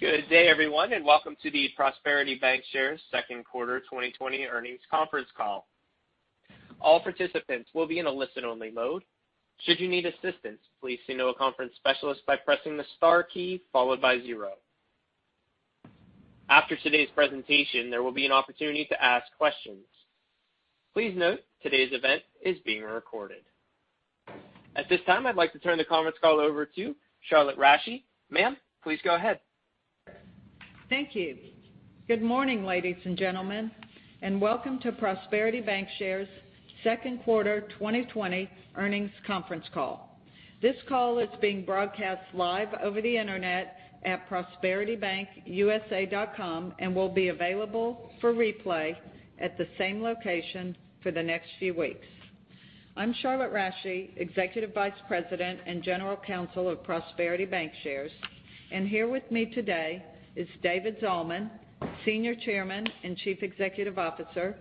Good day, everyone, welcome to the Prosperity Bancshares' second quarter 2020 earnings conference call. All participants will be in a listen-only mode. Should you need assistance, please signal a conference specialist by pressing the star key followed by zero. After today's presentation, there will be an opportunity to ask questions. Please note today's event is being recorded. At this time, I'd like to turn the conference call over to Charlotte Rasche. Ma'am, please go ahead. Thank you. Good morning, ladies and gentlemen, and welcome to Prosperity Bancshares' second quarter 2020 earnings conference call. This call is being broadcast live over the internet at prosperitybankusa.com, and will be available for replay at the same location for the next few weeks. I'm Charlotte Rasche, Executive Vice President and General Counsel of Prosperity Bancshares. Here with me today is David Zalman, Senior Chairman and Chief Executive Officer.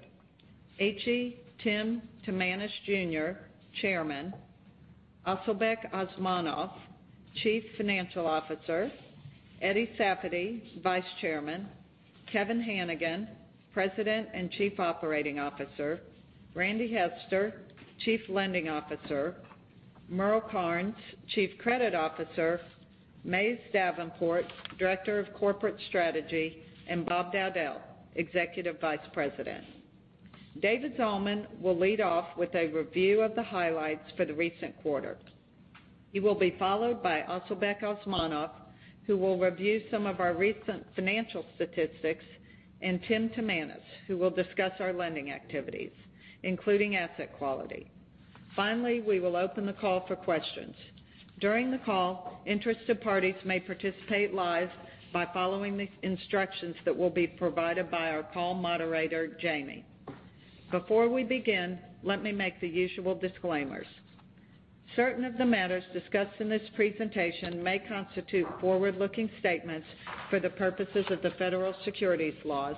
H.E. Tim Timanus Jr., Chairman. Asylbek Osmonov, Chief Financial Officer. Eddie Safady, Vice Chairman. Kevin Hanigan, President and Chief Operating Officer. Randy Hester, Chief Lending Officer. Merle Karnes, Chief Credit Officer. Mays Davenport, Director of Corporate Strategy, and Bob Dowdell, Executive Vice President. David Zalman will lead off with a review of the highlights for the recent quarter. He will be followed by Asylbek Osmonov, who will review some of our recent financial statistics, and Tim Timanus, who will discuss our lending activities, including asset quality. Finally, we will open the call for questions. During the call, interested parties may participate live by following the instructions that will be provided by our call moderator, Jamie. Before we begin, let me make the usual disclaimers. Certain of the matters discussed in this presentation may constitute forward-looking statements for the purposes of the federal securities laws,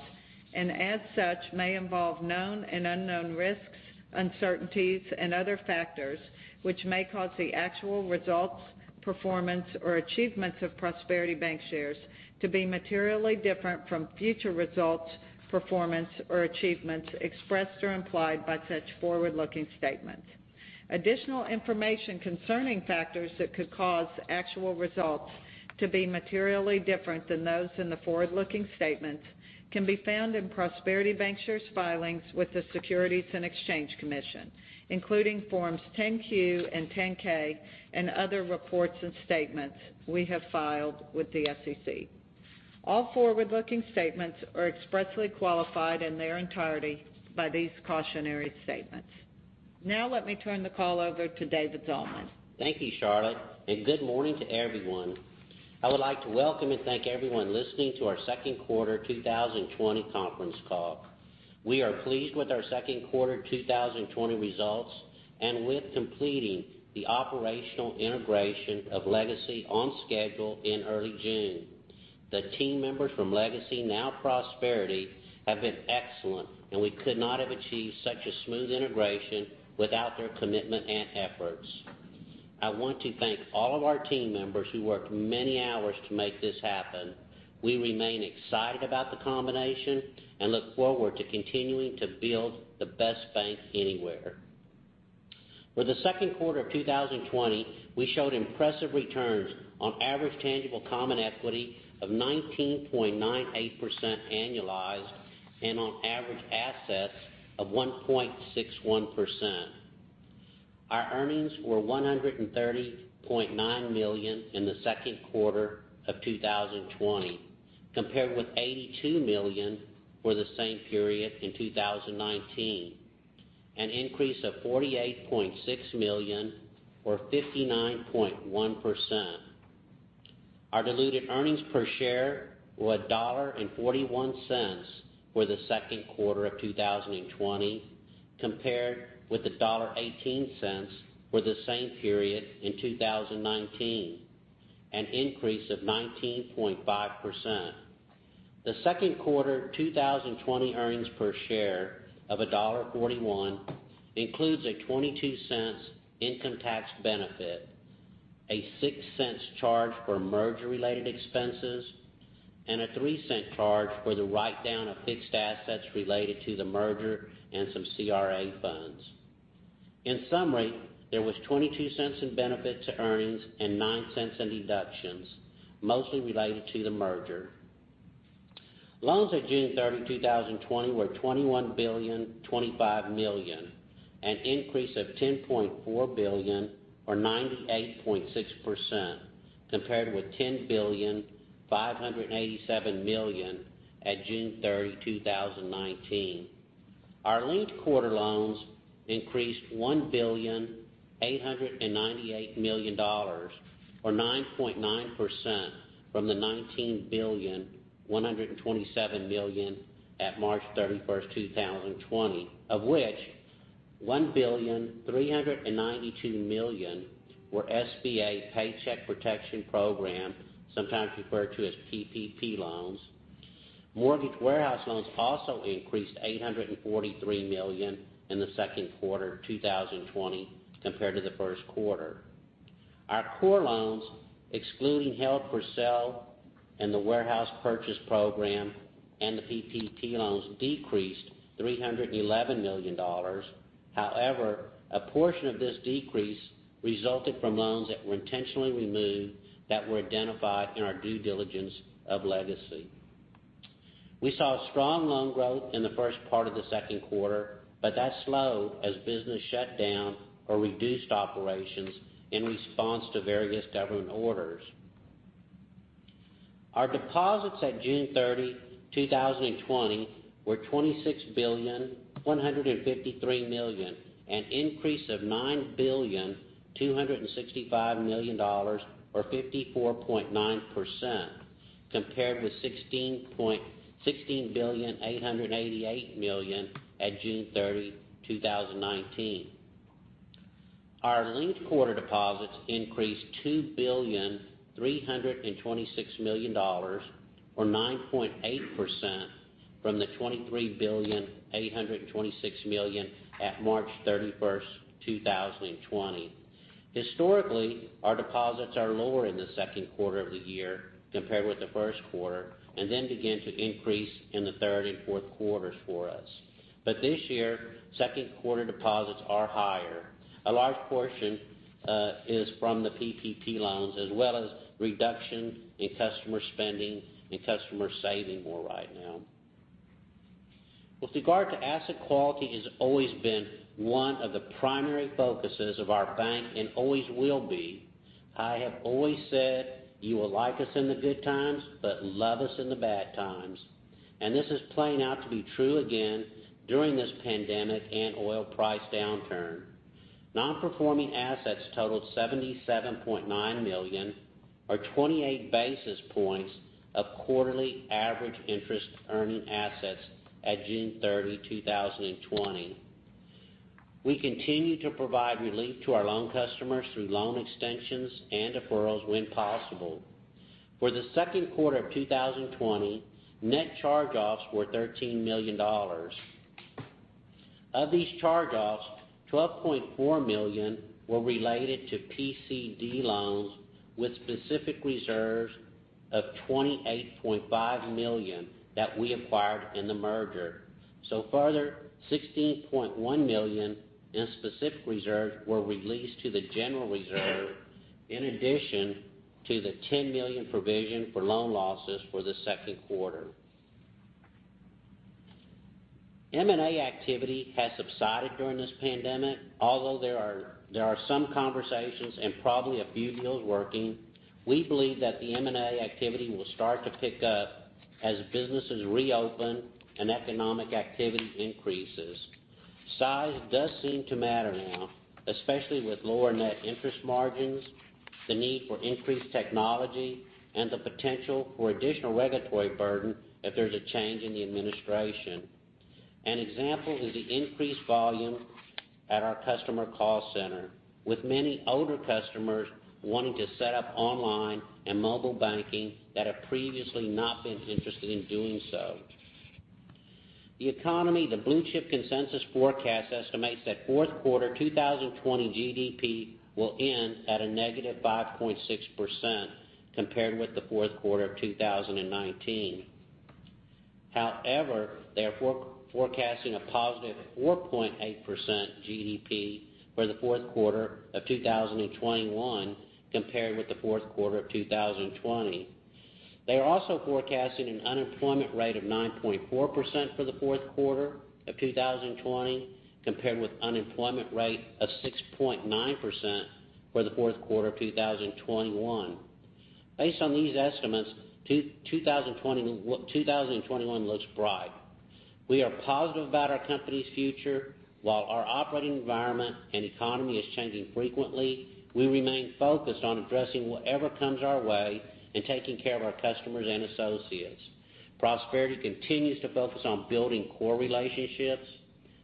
and as such, may involve known and unknown risks, uncertainties, and other factors, which may cause the actual results, performance, or achievements of Prosperity Bancshares to be materially different from future results, performance, or achievements expressed or implied by such forward-looking statements. Additional information concerning factors that could cause actual results to be materially different than those in the forward-looking statements can be found in Prosperity Bancshares' filings with the Securities and Exchange Commission, including Forms 10-Q and 10-K, and other reports and statements we have filed with the SEC. All forward-looking statements are expressly qualified in their entirety by these cautionary statements. Now let me turn the call over to David Zalman. Thank you, Charlotte. Good morning to everyone. I would like to welcome and thank everyone listening to our second quarter 2020 conference call. We are pleased with our second quarter 2020 results, and with completing the operational integration of Legacy on schedule in early June. The team members from Legacy, now Prosperity, have been excellent, and we could not have achieved such a smooth integration without their commitment and efforts. I want to thank all of our team members who worked many hours to make this happen. We remain excited about the combination and look forward to continuing to build the best bank anywhere. For the second quarter of 2020, we showed impressive returns on average tangible common equity of 19.98% annualized, and on average assets of 1.61%. Our earnings were $130.9 million in the second quarter of 2020, compared with $82 million for the same period in 2019, an increase of $48.6 million or 59.1%. Our diluted earnings per share were $1.41 for the second quarter of 2020, compared with $1.18 for the same period in 2019, an increase of 19.5%. The second quarter 2020 earnings per share of $1.41 includes a $0.22 income tax benefit, a $0.06 charge for merger-related expenses, and a $0.03 charge for the write-down of fixed assets related to the merger and some CRA funds. In summary, there was $0.22 in benefit to earnings and $0.09 in deductions, mostly related to the merger. Loans at June 30, 2020, were $21,025,000,000, an increase of $10.4 billion or 98.6%, compared with $10,587,000,000 at June 30, 2019. Our linked quarter loans increased $1,898,000,000 or 9.9% from the $19,127,000,000 at March 31st, 2020, of which $1,392,000,000 were SBA Paycheck Protection Program, sometimes referred to as PPP loans. Mortgage Warehouse loans also increased $843 million in the second quarter of 2020 compared to the first quarter. Our core loans, excluding held for sale and the warehouse purchase program and the PPP loans, decreased $311 million. A portion of this decrease resulted from loans that were intentionally removed that were identified in our due diligence of Legacy. We saw strong loan growth in the first part of the second quarter, but that slowed as business shut down or reduced operations in response to various government orders. Our deposits at June 30, 2020, were $26,153,000,000 an increase of $9,265,000,000, or 54.9%, compared with $16,888,000,000 at June 30, 2019. Our linked quarter deposits increased $2,326,000,000, or 9.8%, from the $23,826,000,000 at March 31st, 2020. Historically, our deposits are lower in the second quarter of the year compared with the first quarter, and then begin to increase in the third and fourth quarters for us. This year, second quarter deposits are higher. A large portion is from the PPP loans, as well as reduction in customer spending and customers saving more right now. With regard to asset quality, it has always been one of the primary focuses of our bank and always will be. I have always said, you will like us in the good times, but love us in the bad times, and this is playing out to be true again during this pandemic and oil price downturn. Non-performing assets totaled $77.9 million, or 28 basis points of quarterly average interest-earning assets at June 30, 2020. We continue to provide relief to our loan customers through loan extensions and deferrals when possible. For the second quarter of 2020, net charge-offs were $13 million. Of these charge-offs, $12.4 million were related to PCD loans with specific reserves of $28.5 million that we acquired in the merger. Further, $16.1 million in specific reserves were released to the general reserve in addition to the $10 million provision for loan losses for the second quarter. M&A activity has subsided during this pandemic, although there are some conversations and probably a few deals working. We believe that the M&A activity will start to pick up as businesses reopen and economic activity increases. Size does seem to matter now, especially with lower net interest margins, the need for increased technology, and the potential for additional regulatory burden if there's a change in the administration. An example is the increased volume at our customer call center, with many older customers wanting to set up online and mobile banking that have previously not been interested in doing so. The economy, the Blue Chip consensus forecast estimates that fourth quarter 2020 GDP will end at a -5.6% compared with the fourth quarter of 2019. They are forecasting a +4.8% GDP for the fourth quarter of 2021 compared with the fourth quarter of 2020. They are also forecasting an unemployment rate of 9.4% for the fourth quarter of 2020, compared with unemployment rate of 6.9% for the fourth quarter of 2021. Based on these estimates, 2021 looks bright. We are positive about our company's future. While our operating environment and economy is changing frequently, we remain focused on addressing whatever comes our way and taking care of our customers and associates. Prosperity continues to focus on building core relationships,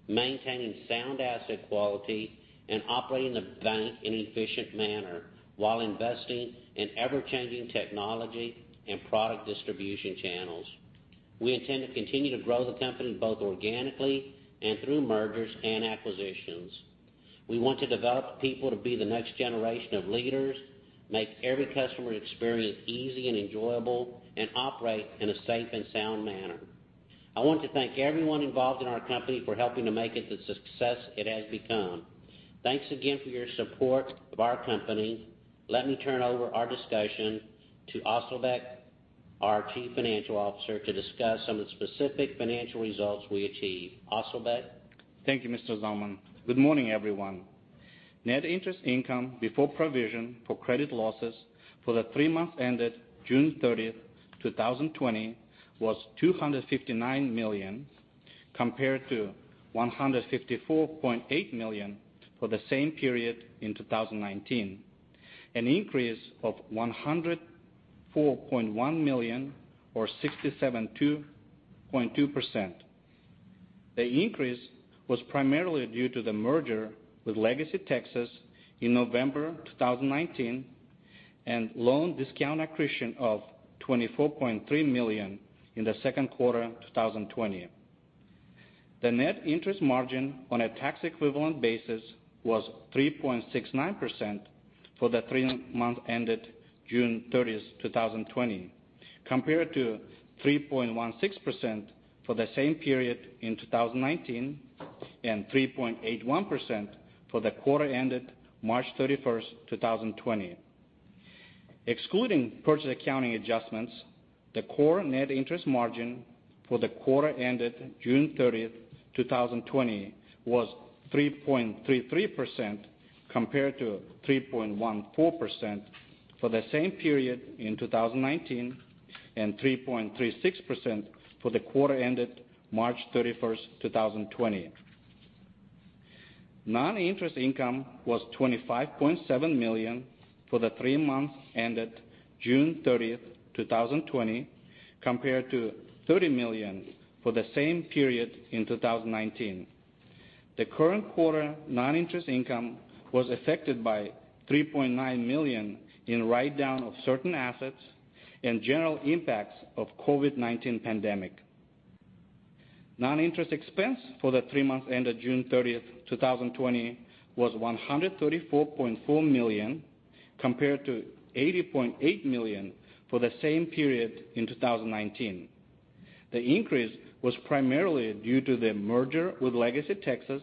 maintaining sound asset quality, and operating the bank in an efficient manner while investing in ever-changing technology and product distribution channels. We intend to continue to grow the company both organically and through mergers and acquisitions. We want to develop people to be the next generation of leaders, make every customer experience easy and enjoyable, and operate in a safe and sound manner. I want to thank everyone involved in our company for helping to make it the success it has become. Thanks again for your support of our company. Let me turn over our discussion to Asylbek, our Chief Financial Officer, to discuss some of the specific financial results we achieved. Asylbek? Thank you, Mr. Zalman. Good morning, everyone. Net interest income before provision for credit losses for the three months ended June 30th, 2020, was $259 million compared to $154.8 million for the same period in 2019, an increase of $104.1 million or 67.2%. The increase was primarily due to the merger with LegacyTexas in November 2019, and loan discount accretion of $24.3 million in the second quarter of 2020. The net interest margin on a tax equivalent basis was 3.69% for the three months ended June 30th, 2020, compared to 3.16% for the same period in 2019, and 3.81% for the quarter ended March 31st, 2020. Excluding purchase accounting adjustments, the core net interest margin for the quarter ended June 30th, 2020 was 3.33%, compared to 3.14% for the same period in 2019 and 3.36% for the quarter ended March 31st, 2020. Non-interest income was $25.7 million for the three months ended June 30th, 2020, compared to $30 million for the same period in 2019. The current quarter non-interest income was affected by $3.9 million in write-down of certain assets and general impacts of COVID-19 pandemic. Non-interest expense for the three months ended June 30th, 2020 was $134.4 million, compared to $80.8 million for the same period in 2019. The increase was primarily due to the merger with LegacyTexas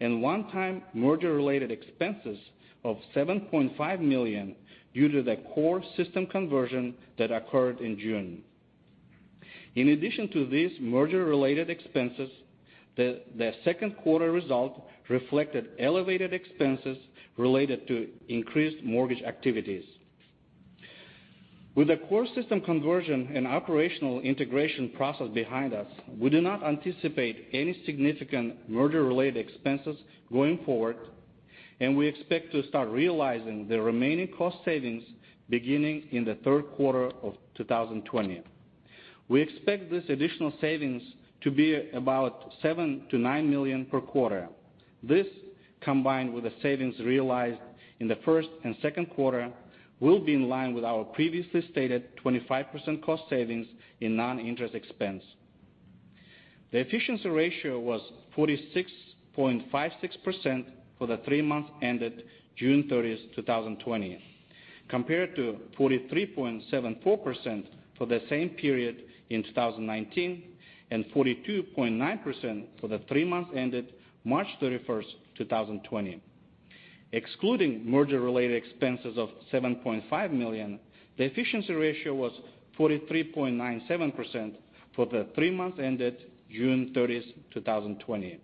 and one-time merger related expenses of $7.5 million due to the core system conversion that occurred in June. In addition to these merger related expenses, the second quarter result reflected elevated expenses related to increased mortgage activities. With the core system conversion and operational integration process behind us, we do not anticipate any significant merger related expenses going forward, and we expect to start realizing the remaining cost savings beginning in the third quarter of 2020. We expect these additional savings to be about $7 million-$9 million per quarter. This, combined with the savings realized in the first and second quarter, will be in line with our previously stated 25% cost savings in non-interest expense. The efficiency ratio was 46.56% for the three months ended June 30th, 2020, compared to 43.74% for the same period in 2019 and 42.9% for the three months ended March 31st, 2020. Excluding merger related expenses of $7.5 million, the efficiency ratio was 43.97% for the three months ended June 30th, 2020.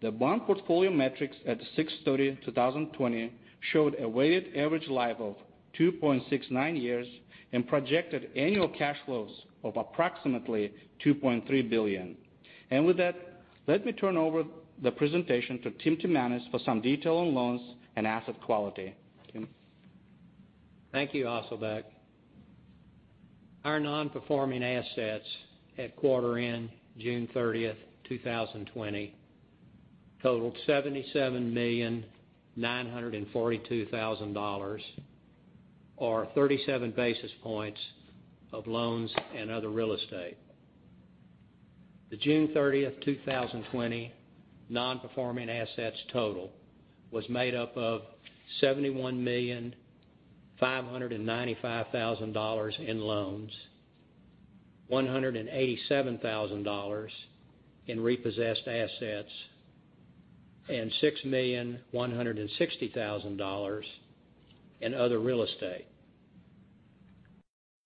The bond portfolio metrics at 6/30/2020 showed a weighted average life of 2.69 years and projected annual cash flows of approximately $2.3 billion. With that, let me turn over the presentation to Tim Timanus for some detail on loans and asset quality. Tim? Thank you, Asylbek. Our non-performing assets at quarter end June 30th, 2020 totaled $77,942,000, or 37 basis points of loans and other real estate. The June 30th, 2020 non-performing assets total was made up of $71,595,000 in loans, $187,000 in repossessed assets, and $6,160,000 in other real estate.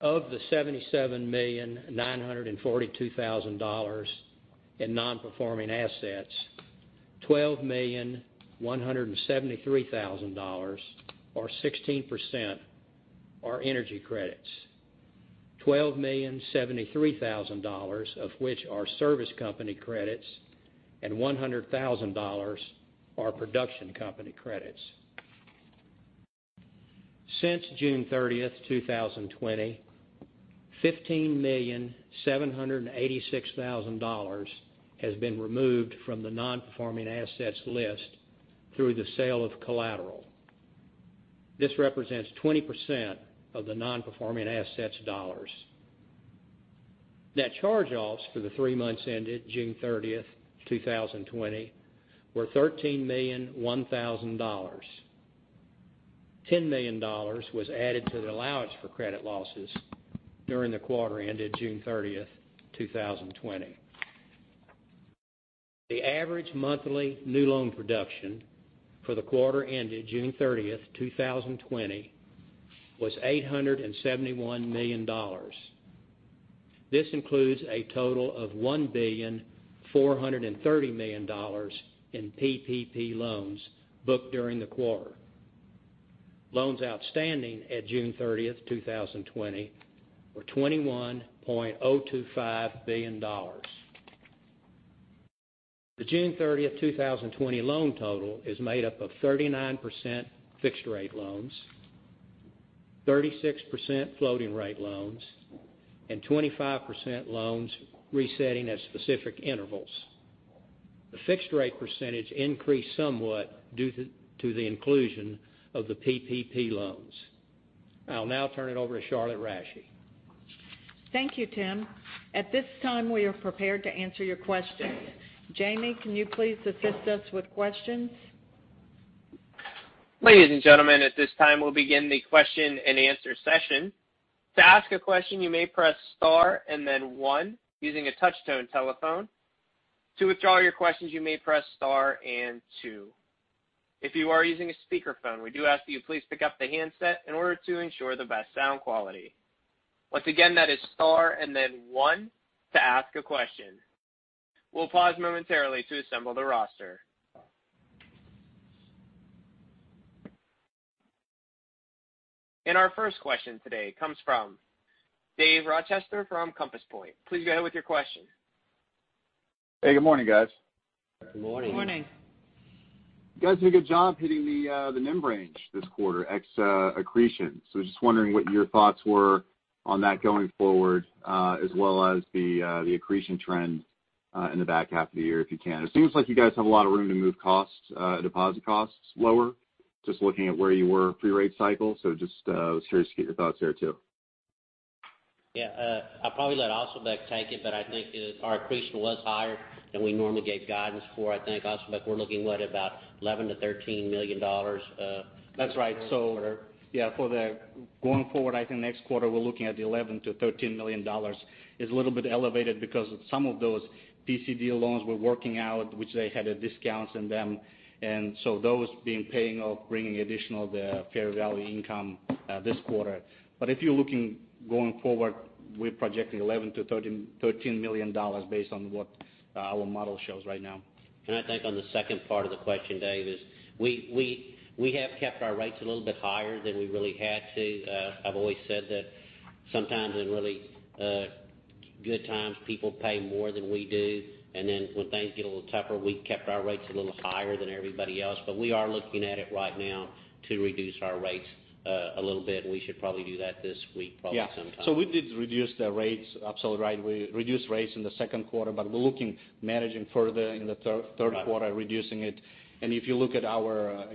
Of the $77,942,000 in non-performing assets, $12,173,000, or 16%, are energy credits, $12,073,000 of which are service company credits, and $100,000 are production company credits. Since June 30th, 2020, $15,786,000 has been removed from the non-performing assets list through the sale of collateral. This represents 20% of the non-performing assets dollars. Net charge-offs for the three months ended June 30th, 2020 were $13,001,000. $10 million was added to the allowance for credit losses during the quarter ended June 30th, 2020. The average monthly new loan production for the quarter ended June 30th, 2020 was $871 million. This includes a total of $1,430,000,000 in PPP loans booked during the quarter. Loans outstanding at June 30th, 2020 were $21.025 billion. The June 30th, 2020 loan total is made up of 39% fixed rate loans. 36% floating rate loans and 25% loans resetting at specific intervals. The fixed rate percentage increased somewhat due to the inclusion of the PPP loans. I'll now turn it over to Charlotte Rasche. Thank you, Tim. At this time, we are prepared to answer your questions. Jamie, can you please assist us with questions? Ladies and gentlemen, at this time, we'll begin the question-and-answer session. To ask a question, you may press star and then one using a Touch-Tone telephone. To withdraw your questions, you may press star and two. If you are using a speakerphone, we do ask that you please pick up the handset in order to ensure the best sound quality. Once again, that is star and then one to ask a question. We'll pause momentarily to assemble the roster. Our first question today comes from Dave Rochester from Compass Point. Please go ahead with your question. Hey, good morning, guys. Good morning. Good morning. You guys did a good job hitting the NIM range this quarter ex accretion. Just wondering what your thoughts were on that going forward, as well as the accretion trend, in the back half of the year, if you can. It seems like you guys have a lot of room to move deposit costs lower, just looking at where you were pre-rate cycle. Just was curious to get your thoughts there too. Yeah. I'll probably let Asylbek take it. I think our accretion was higher than we normally gave guidance for. I think, Asylbek, we're looking, what, about $11 million-$13 million. That's right. this quarter. Yeah, going forward, I think next quarter we're looking at $11 million-$13 million. It's a little bit elevated because some of those PCD loans were working out, which they had discounts in them. Those being paying off, bringing additional fair value income this quarter. If you're looking going forward, we're projecting $11 million-$13 million based on what our model shows right now. I think on the second part of the question, Dave, is we have kept our rates a little bit higher than we really had to. I've always said that sometimes in really good times, people pay more than we do, and then when things get a little tougher, we kept our rates a little higher than everybody else. We are looking at it right now to reduce our rates a little bit, and we should probably do that this week, probably sometime. Yeah. We did reduce the rates. Absolutely right. We reduced rates in the second quarter, but we're looking, managing further in the third quarter- Right. ...reducing it. If you look at our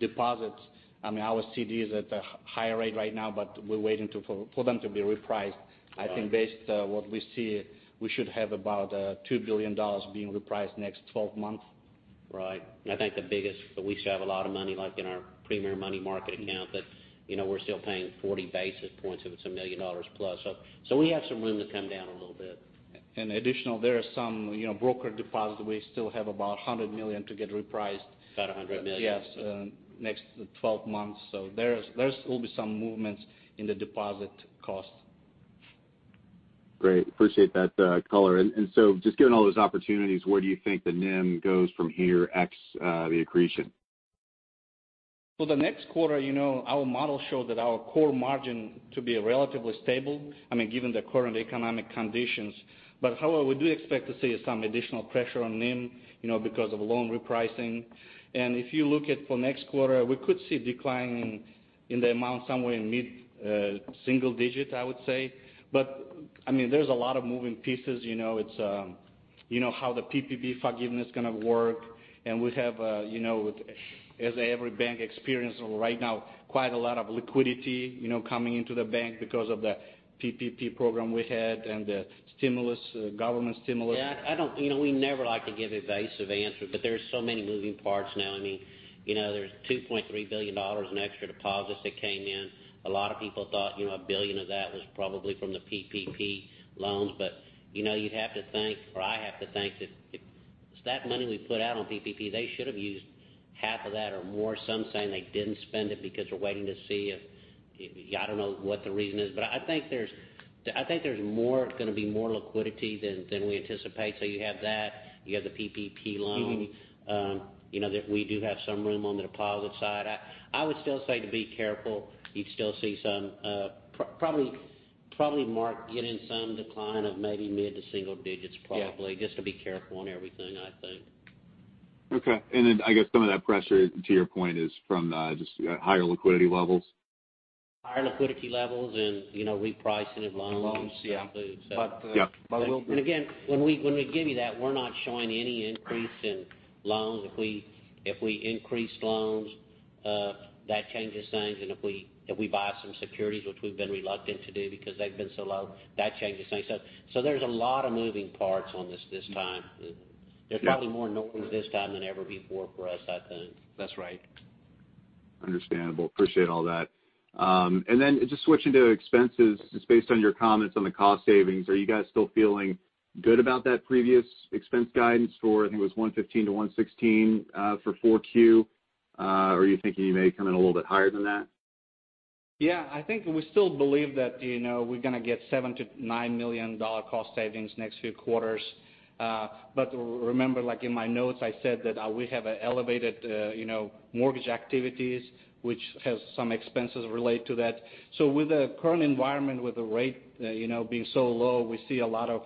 deposits, our CD is at the higher rate right now, but we're waiting for them to be repriced. Right. I think based what we see, we should have about $2 billion being repriced next 12 months. Right. I think the biggest, we still have a lot of money, like in our premier money market account, that we're still paying 40 basis points if it's a $1 million+. We have some room to come down a little bit. Additional, there are some broker deposits. We still have about $100 million to get repriced. About $100 million. Yes, next 12 months. There will be some movements in the deposit cost. Great. Appreciate that color. Just given all those opportunities, where do you think the NIM goes from here ex the accretion? For the next quarter, our model show that our core margin to be relatively stable, given the current economic conditions. However, we do expect to see some additional pressure on NIM because of loan repricing. If you look at for next quarter, we could see decline in the amount somewhere in mid-single digits, I would say. There's a lot of moving pieces. How the PPP forgiveness going to work, and we have, as every bank experience right now, quite a lot of liquidity coming into the bank because of the PPP program we had and the government stimulus. Yeah. We never like to give evasive answers, there are so many moving parts now. There's $2.3 billion in extra deposits that came in. A lot of people thought $1 billion of that was probably from the PPP loans. You'd have to think, or I have to think that if that money we put out on PPP, they should have used half of that or more. Some saying they didn't spend it because they're waiting to see if I don't know what the reason is. I think there's going to be more liquidity than we anticipate. So you have that, you have the PPP loans. We do have some room on the deposit side. I would still say to be careful. You'd still see some, probably mark getting some decline of maybe mid to single digits probably. Yeah. Just to be careful on everything, I think. Okay. I guess some of that pressure, to your point, is from just higher liquidity levels? Higher liquidity levels and repricing of loans. Loans, yeah. included, so. Yeah. But we'll be- Again, when we give you that, we're not showing any increase in loans. If we increase loans, that changes things. If we buy some securities, which we've been reluctant to do because they've been so low, that changes things. There's a lot of moving parts on this this time. Yeah. There's probably more noise this time than ever before for us, I think. That's right. Understandable. Appreciate all that. Just switching to expenses, just based on your comments on the cost savings, are you guys still feeling good about that previous expense guidance for, I think it was $115 million-$116 million for 4Q? Or are you thinking you may come in a little bit higher than that? Yeah. I think we still believe that we're going to get $7 million-$9 million cost savings next few quarters. Remember, like in my notes, I said that we have elevated mortgage activities, which has some expenses related to that. With the current environment, with the rate being so low, we see a lot of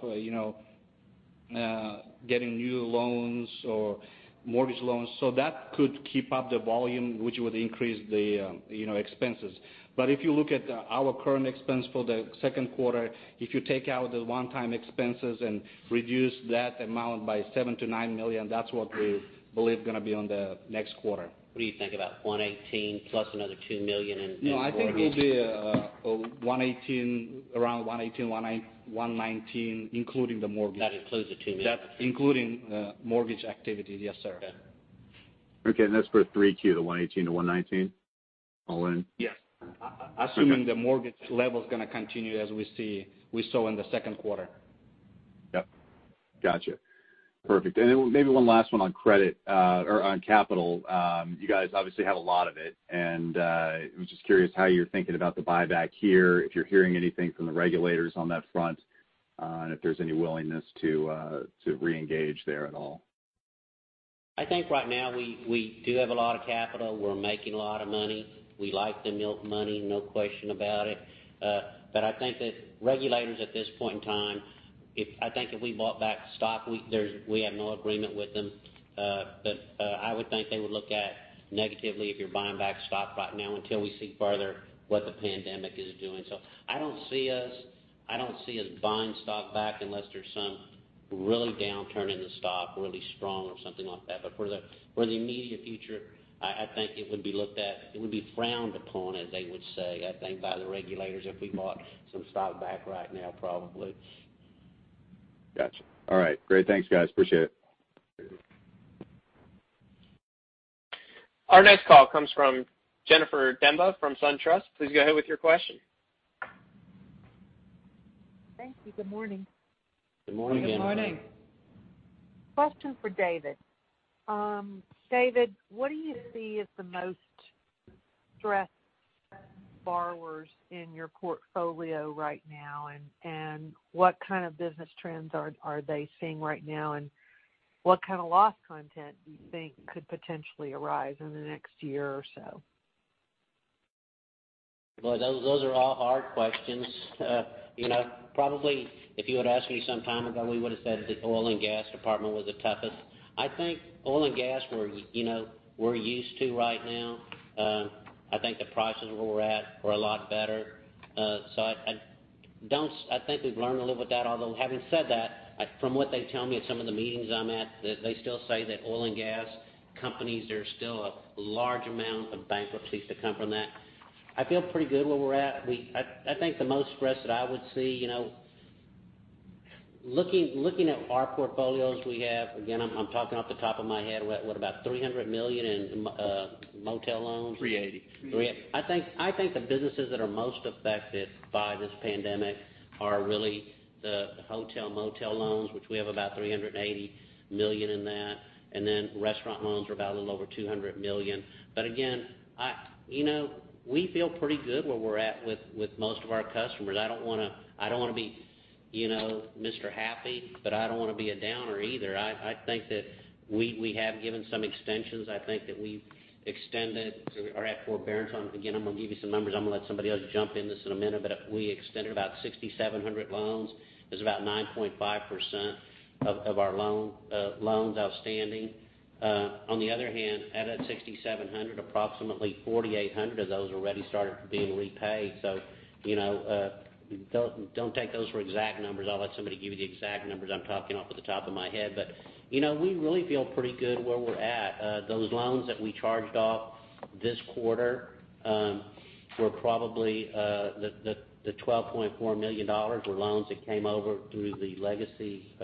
Getting new loans or mortgage loans. That could keep up the volume, which would increase the expenses. If you look at our current expense for the second quarter, if you take out the one-time expenses and reduce that amount by $7 million-$9 million, that's what we believe going to be on the next quarter. What do you think about $118 million plus another $2 million in mortgages? No, I think it'll be around $118 million, $119 million, including the mortgage. That includes the $2 million. Including mortgage activity. Yes, sir. Okay. Okay, that's for 3Q, the $118 million-$119 million? All in? Yes. Okay. Assuming the mortgage level's going to continue as we saw in the second quarter. Yep. Got you. Perfect. Maybe one last one on credit or on capital. You guys obviously have a lot of it, and I was just curious how you're thinking about the buyback here, if you're hearing anything from the regulators on that front, and if there's any willingness to reengage there at all. I think right now we do have a lot of capital. We're making a lot of money. We like to milk money, no question about it. I think that regulators at this point in time, I think if we bought back stock, we have no agreement with them. I would think they would look at negatively if you're buying back stock right now until we see further what the pandemic is doing. I don't see us buying stock back unless there's some really downturn in the stock, really strong or something like that. For the immediate future, I think it would be frowned upon, as they would say, I think, by the regulators if we bought some stock back right now, probably. Got you. All right, great. Thanks, guys. Appreciate it. Our next call comes from Jennifer Demba from SunTrust. Please go ahead with your question. Thank you. Good morning. Good morning. Good morning. Question for David. David, what do you see as the most stressed borrowers in your portfolio right now? What kind of business trends are they seeing right now, and what kind of loss content do you think could potentially arise in the next year or so? Boy, those are all hard questions. Probably if you had asked me some time ago, we would've said the oil and gas department was the toughest. I think oil and gas we're used to right now. I think the prices where we're at are a lot better. I think we've learned to live with that. Although, having said that, from what they tell me at some of the meetings I'm at, they still say that oil and gas companies, there's still a large amount of bankruptcies to come from that. I feel pretty good where we're at. I think the most stressed that I would see, looking at our portfolios, we have, again, I'm talking off the top of my head, what, about $300 million in motel loans? $380 million. 380. I think the businesses that are most affected by this pandemic are really the hotel/motel loans, which we have about $380 million in that, and then restaurant loans are about a little over $200 million. Again, we feel pretty good where we're at with most of our customers. I don't want to be Mr. Happy, but I don't want to be a downer either. I think that we have given some extensions. I think that we've extended or are at forbearance on, again, I'm going to give you some numbers. I'm going to let somebody else jump in this in a minute, We extended about 6,700 loans. That's about 9.5% of our loans outstanding. On the other hand, out of that 6,700, approximately 4,800 of those already started being repaid. Don't take those for exact numbers. I'll let somebody give you the exact numbers. I'm talking off of the top of my head, we really feel pretty good where we're at. Those loans that we charged off this quarter were probably the $12.4 million were loans that came over through the Legacy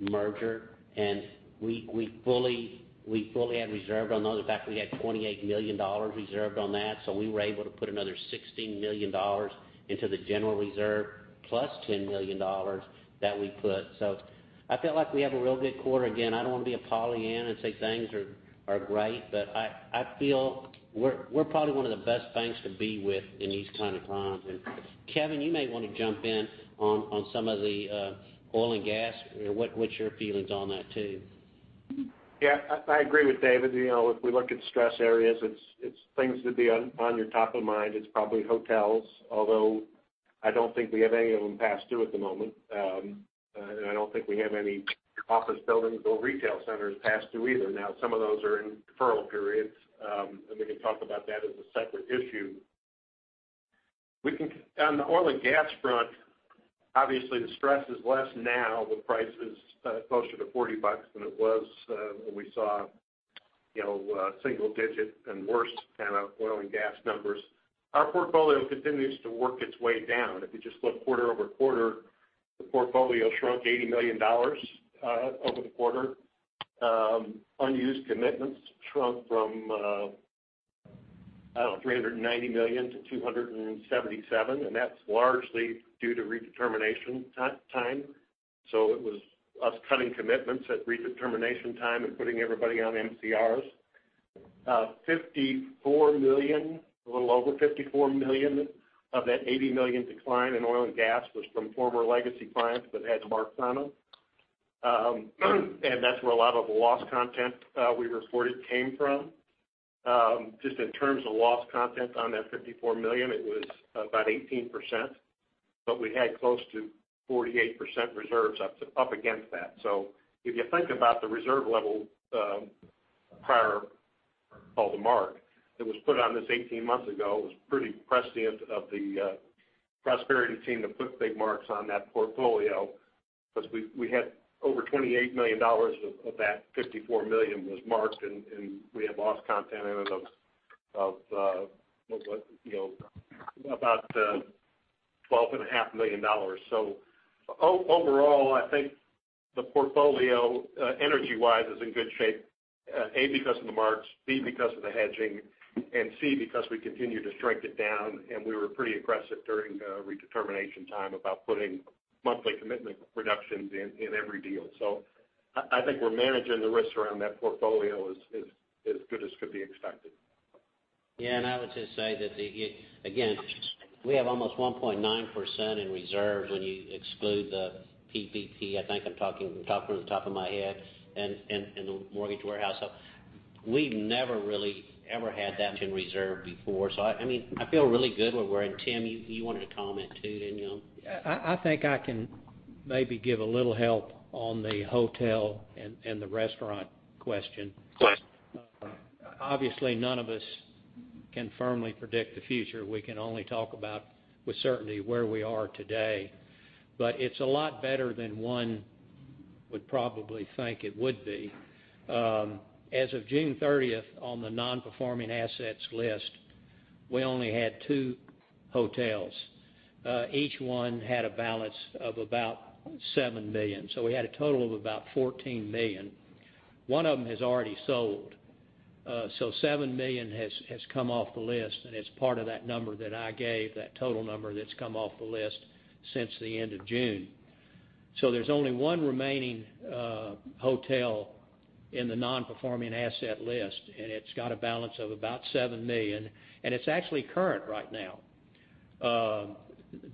merger, and we fully had reserved on those. In fact, we had $28 million reserved on that, so we were able to put another $16 million into the general reserve plus $10 million that we put. I feel like we have a real good quarter. Again, I don't want to be a Pollyanna and say things are great, but I feel we're probably one of the best banks to be with in these kind of times. Kevin, you may want to jump in on some of the oil and gas. What's your feelings on that too? Yeah, I agree with David. If we look at stress areas, it's things that be on your top of mind. It's probably hotels, although I don't think we have any of them past due at the moment. I don't think we have any office buildings or retail centers past due either. Some of those are in deferral periods, and we can talk about that as a separate issue. On the oil and gas front, obviously the stress is less now with prices closer to $40 than it was when we saw single digit and worse kind of oil and gas numbers. Our portfolio continues to work its way down. If you just look quarter-over-quarter, the portfolio shrunk $80 million over the quarter. Unused commitments shrunk from, I don't know, $390 million to $277 million, and that's largely due to redetermination time. It was us cutting commitments at redetermination time and putting everybody on MCRs. A little over $54 million of that $80 million decline in oil and gas was from former Legacy clients that had marks on them. That's where a lot of the loss content we reported came from. Just in terms of loss content on that $54 million, it was about 18%, but we had close to 48% reserves up against that. If you think about the reserve level prior, called the mark, that was put on this 18 months ago, it was pretty prescient of the Prosperity team to put big marks on that portfolio because we had over $28 million of that $54 million was marked, and we had loss content in it of about $12.5 million. Overall, I think the portfolio, energy-wise, is in good shape, A, because of the marks, B, because of the hedging, and C, because we continue to strike it down, and we were pretty aggressive during redetermination time about putting monthly commitment reductions in every deal. I think we're managing the risks around that portfolio as good as could be expected. Yeah. I would just say that, again, we have almost 1.9% in reserves when you exclude the PPP, I think I'm talking from the top of my head, and the Mortgage Warehouse. We've never really ever had that in reserve before. I feel really good where we're in. Tim, you wanted to comment too, didn't you? I think I can maybe give a little help on the hotel and the restaurant question. Right. Obviously, none of us can firmly predict the future. We can only talk about with certainty where we are today, but it's a lot better than one would probably think it would be. As of June 30th, on the non-performing assets list, we only had two hotels. Each one had a balance of about $7 million. We had a total of about $14 million. One of them has already sold. $7 million has come off the list, and it's part of that number that I gave, that total number that's come off the list since the end of June. There's only one remaining hotel in the non-performing asset list, and it's got a balance of about $7 million, and it's actually current right now.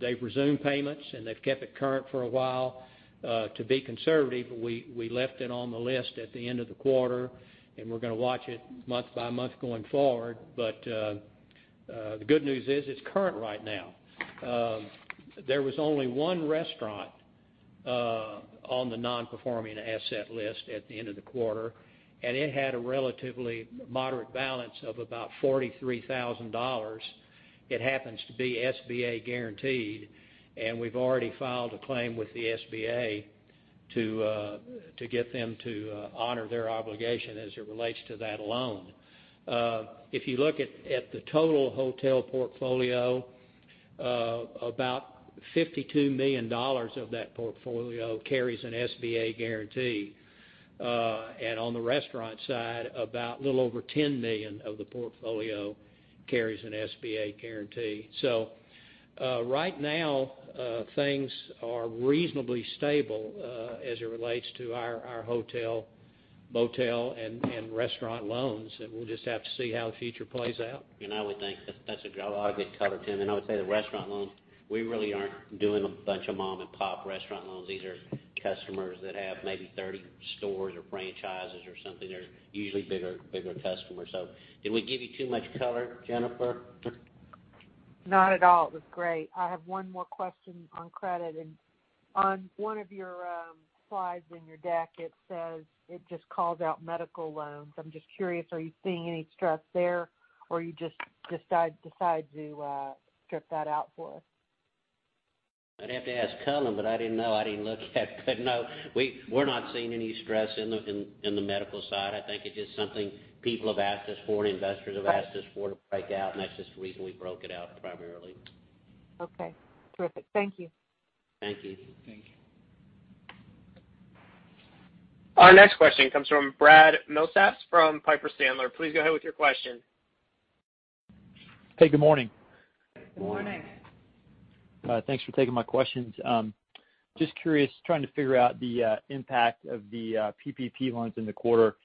They've resumed payments, and they've kept it current for a while. To be conservative, we left it on the list at the end of the quarter, and we're going to watch it month by month going forward. The good news is it's current right now. There was only one restaurant on the non-performing asset list at the end of the quarter, and it had a relatively moderate balance of about $43,000. It happens to be SBA guaranteed, and we've already filed a claim with the SBA to get them to honor their obligation as it relates to that loan. If you look at the total hotel portfolio, about $52 million of that portfolio carries an SBA guarantee. On the restaurant side, about a little over $10 million of the portfolio carries an SBA guarantee. Right now, things are reasonably stable, as it relates to our hotel, motel, and restaurant loans. We'll just have to see how the future plays out. I would think that's a good color, Tim. I would say the restaurant loans, we really aren't doing a bunch of mom-and-pop restaurant loans. These are customers that have maybe 30 stores or franchises or something. They're usually bigger customers. Did we give you too much color, Jennifer? Not at all. It was great. I have one more question on credit. On one of your slides in your deck, it just calls out medical loans. I'm just curious, are you seeing any stress there, or you just decide to strip that out for us? I'd have to ask Cullen, but I didn't know. I didn't look at it. No, we're not seeing any stress in the medical side. I think it's just something people have asked us for, and investors have asked us for to break out, and that's just the reason we broke it out primarily. Okay. Terrific. Thank you. Thank you. Thank you. Our next question comes from Brad Milsaps from Piper Sandler. Please go ahead with your question. Hey, good morning. Good morning. Good morning. Thanks for taking my questions. Just curious, trying to figure out the impact of the PPP loans in the quarter.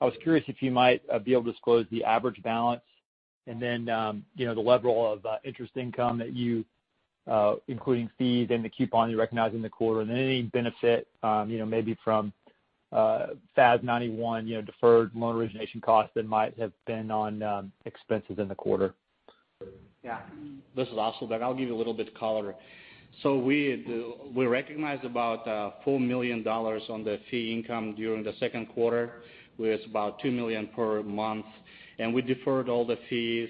I was curious if you might be able to disclose the average balance and then the level of interest income, including fees and the coupon you recognized in the quarter. Any benefit maybe from FAS 91, deferred loan origination costs that might have been on expenses in the quarter. Yeah. This is Asylbek, I'll give you a little bit of color. We recognized about $4 million on the fee income during the second quarter, with about $2 million per month. We deferred all the fees,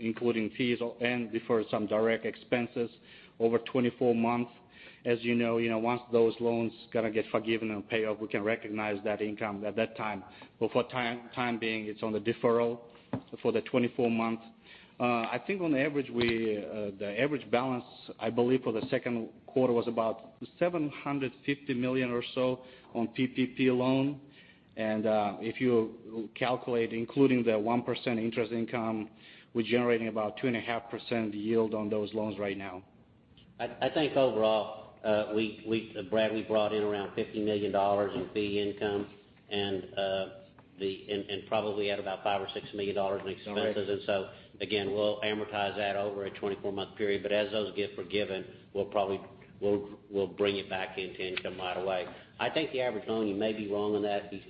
including fees and deferred some direct expenses over 24 months. As you know, once those loans are going to get forgiven and paid off, we can recognize that income at that time. For time being, it's on the deferral for the 24 months. I think the average balance, I believe, for the second quarter was about $750 million or so on PPP loan. If you calculate including the 1% interest income, we're generating about 2.5% yield on those loans right now. I think overall, Brad, we brought in around $50 million in fee income and probably at about $5 million or $6 million in expenses. Again, we'll amortize that over a 24-month period. As those get forgiven, we'll bring it back into income right away. I think the average loan, you may be wrong on that, the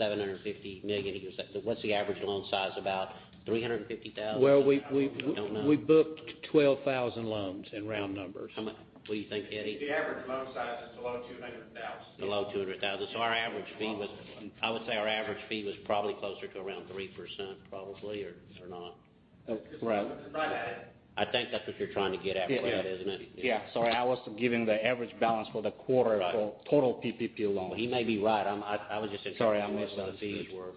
$750 million. What's the average loan size about? $350,000? I don't know. Well, we booked 12,000 loans in round numbers. What do you think, Eddie? The average loan size is below $200,000. Below $200,000. I would say our average fee was probably closer to around 3%, probably, or not? Right at it. I think that's what you're trying to get at, Brad, isn't it? Yeah. Sorry, I was giving the average balance for the quarter. Right for total PPP loans. He may be right. Sorry, I missed that. Fees were,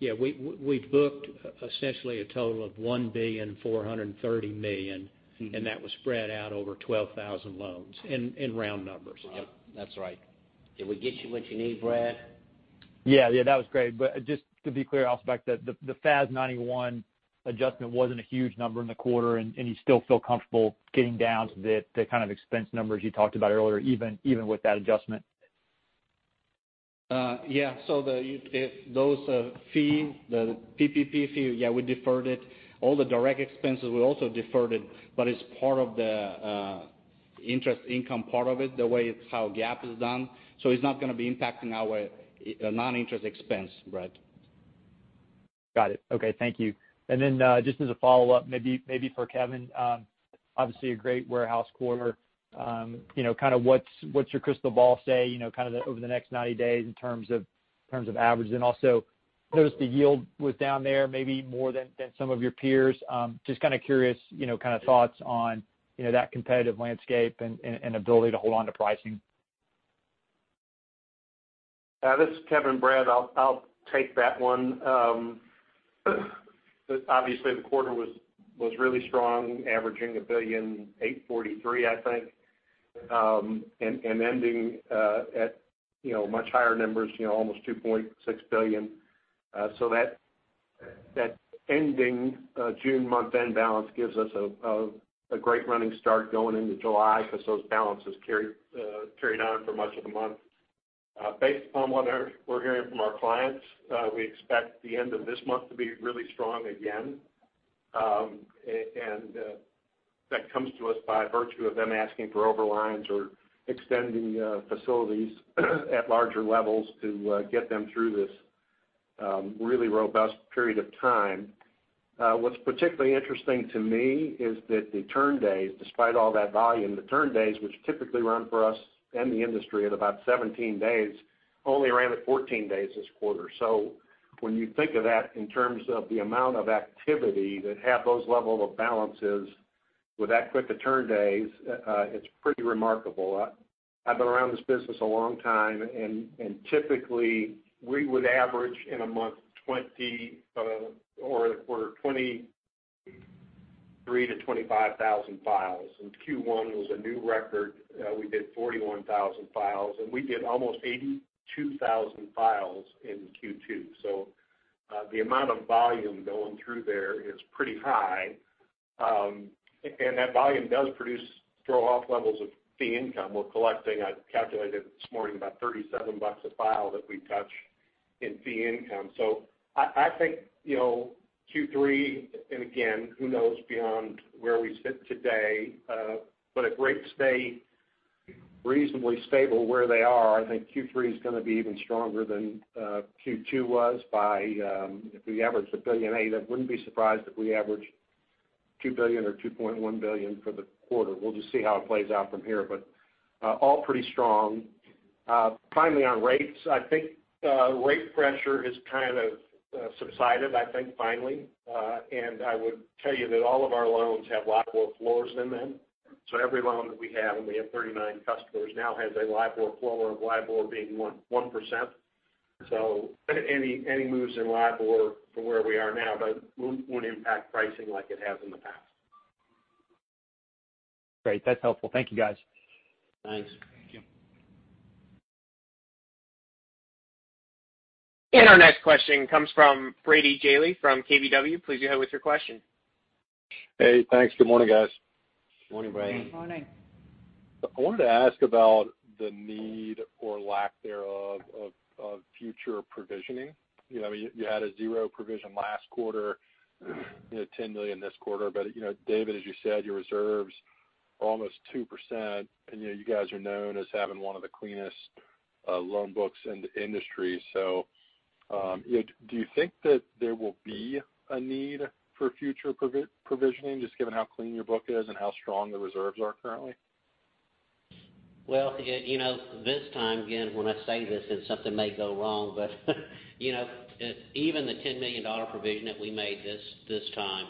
yeah. Yeah, we booked essentially a total of $1,430,000,000, and that was spread out over 12,000 loans, in round numbers. Yep, that's right. Did we get you what you need, Brad? Yeah, that was great. Just to be clear, Asylbek, that the FAS 91 adjustment wasn't a huge number in the quarter, and you still feel comfortable getting down to the kind of expense numbers you talked about earlier, even with that adjustment? Yeah. Those fees, the PPP fee, yeah, we deferred it. All the direct expenses, we also deferred it, but it's part of the interest income part of it, the way it's how GAAP is done. It's not going to be impacting our non-interest expense, Brad. Got it. Okay. Thank you. Just as a follow-up, maybe for Kevin. Obviously, a great warehouse quarter. What's your crystal ball say over the next 90 days in terms of average? Noticed the yield was down there maybe more than some of your peers. Just kind of curious thoughts on that competitive landscape and ability to hold onto pricing. This is Kevin, Brad. I'll take that one. Obviously, the quarter was really strong, averaging $1.843 billion, I think, and ending at much higher numbers, almost $2.6 billion. That ending June month-end balance gives us a great running start going into July because those balances carried on for much of the month. Based upon what we're hearing from our clients, we expect the end of this month to be really strong again. That comes to us by virtue of them asking for overlines or extending facilities at larger levels to get them through this really robust period of time. What's particularly interesting to me is that the turn days, despite all that volume, the turn days, which typically run for us and the industry at about 17 days, only ran at 14 days this quarter. When you think of that in terms of the amount of activity that have those level of balances with that quick a turn days, it's pretty remarkable. I've been around this business a long time, and typically, we would average in a month 20 or 23,000 to 25,000 files. Q1 was a new record. We did 41,000 files, and we did almost 82,000 files in Q2. The amount of volume going through there is pretty high. That volume does produce throw-off levels of fee income. We're collecting, I calculated this morning, about $37 a file that we touch in fee income. I think, Q3, and again, who knows beyond where we sit today. If rates stay reasonably stable where they are, I think Q3 is going to be even stronger than Q2 was by, if we average $1.8 billion, I wouldn't be surprised if we average $2 billion or $2.1 billion for the quarter. We'll just see how it plays out from here. All pretty strong. Finally, on rates, I think rate pressure has kind of subsided, finally. I would tell you that all of our loans have LIBOR floors in them. Every loan that we have, and we have 39 customers now, has a LIBOR floor of LIBOR being 1%. Any moves in LIBOR from where we are now won't impact pricing like it has in the past. Great. That's helpful. Thank you, guys. Thanks. Thank you. Our next question comes from Brady Gailey from KBW. Please go ahead with your question. Hey, thanks. Good morning, guys. Morning, Brady. Morning. I wanted to ask about the need or lack thereof of future provisioning. You had a zero provision last quarter, $10 million this quarter. David, as you said, your reserves are almost 2%, and you guys are known as having one of the cleanest loan books in the industry. Do you think that there will be a need for future provisioning, just given how clean your book is and how strong the reserves are currently? Well, this time, again, when I say this, something may go wrong, but even the $10 million provision that we made this time,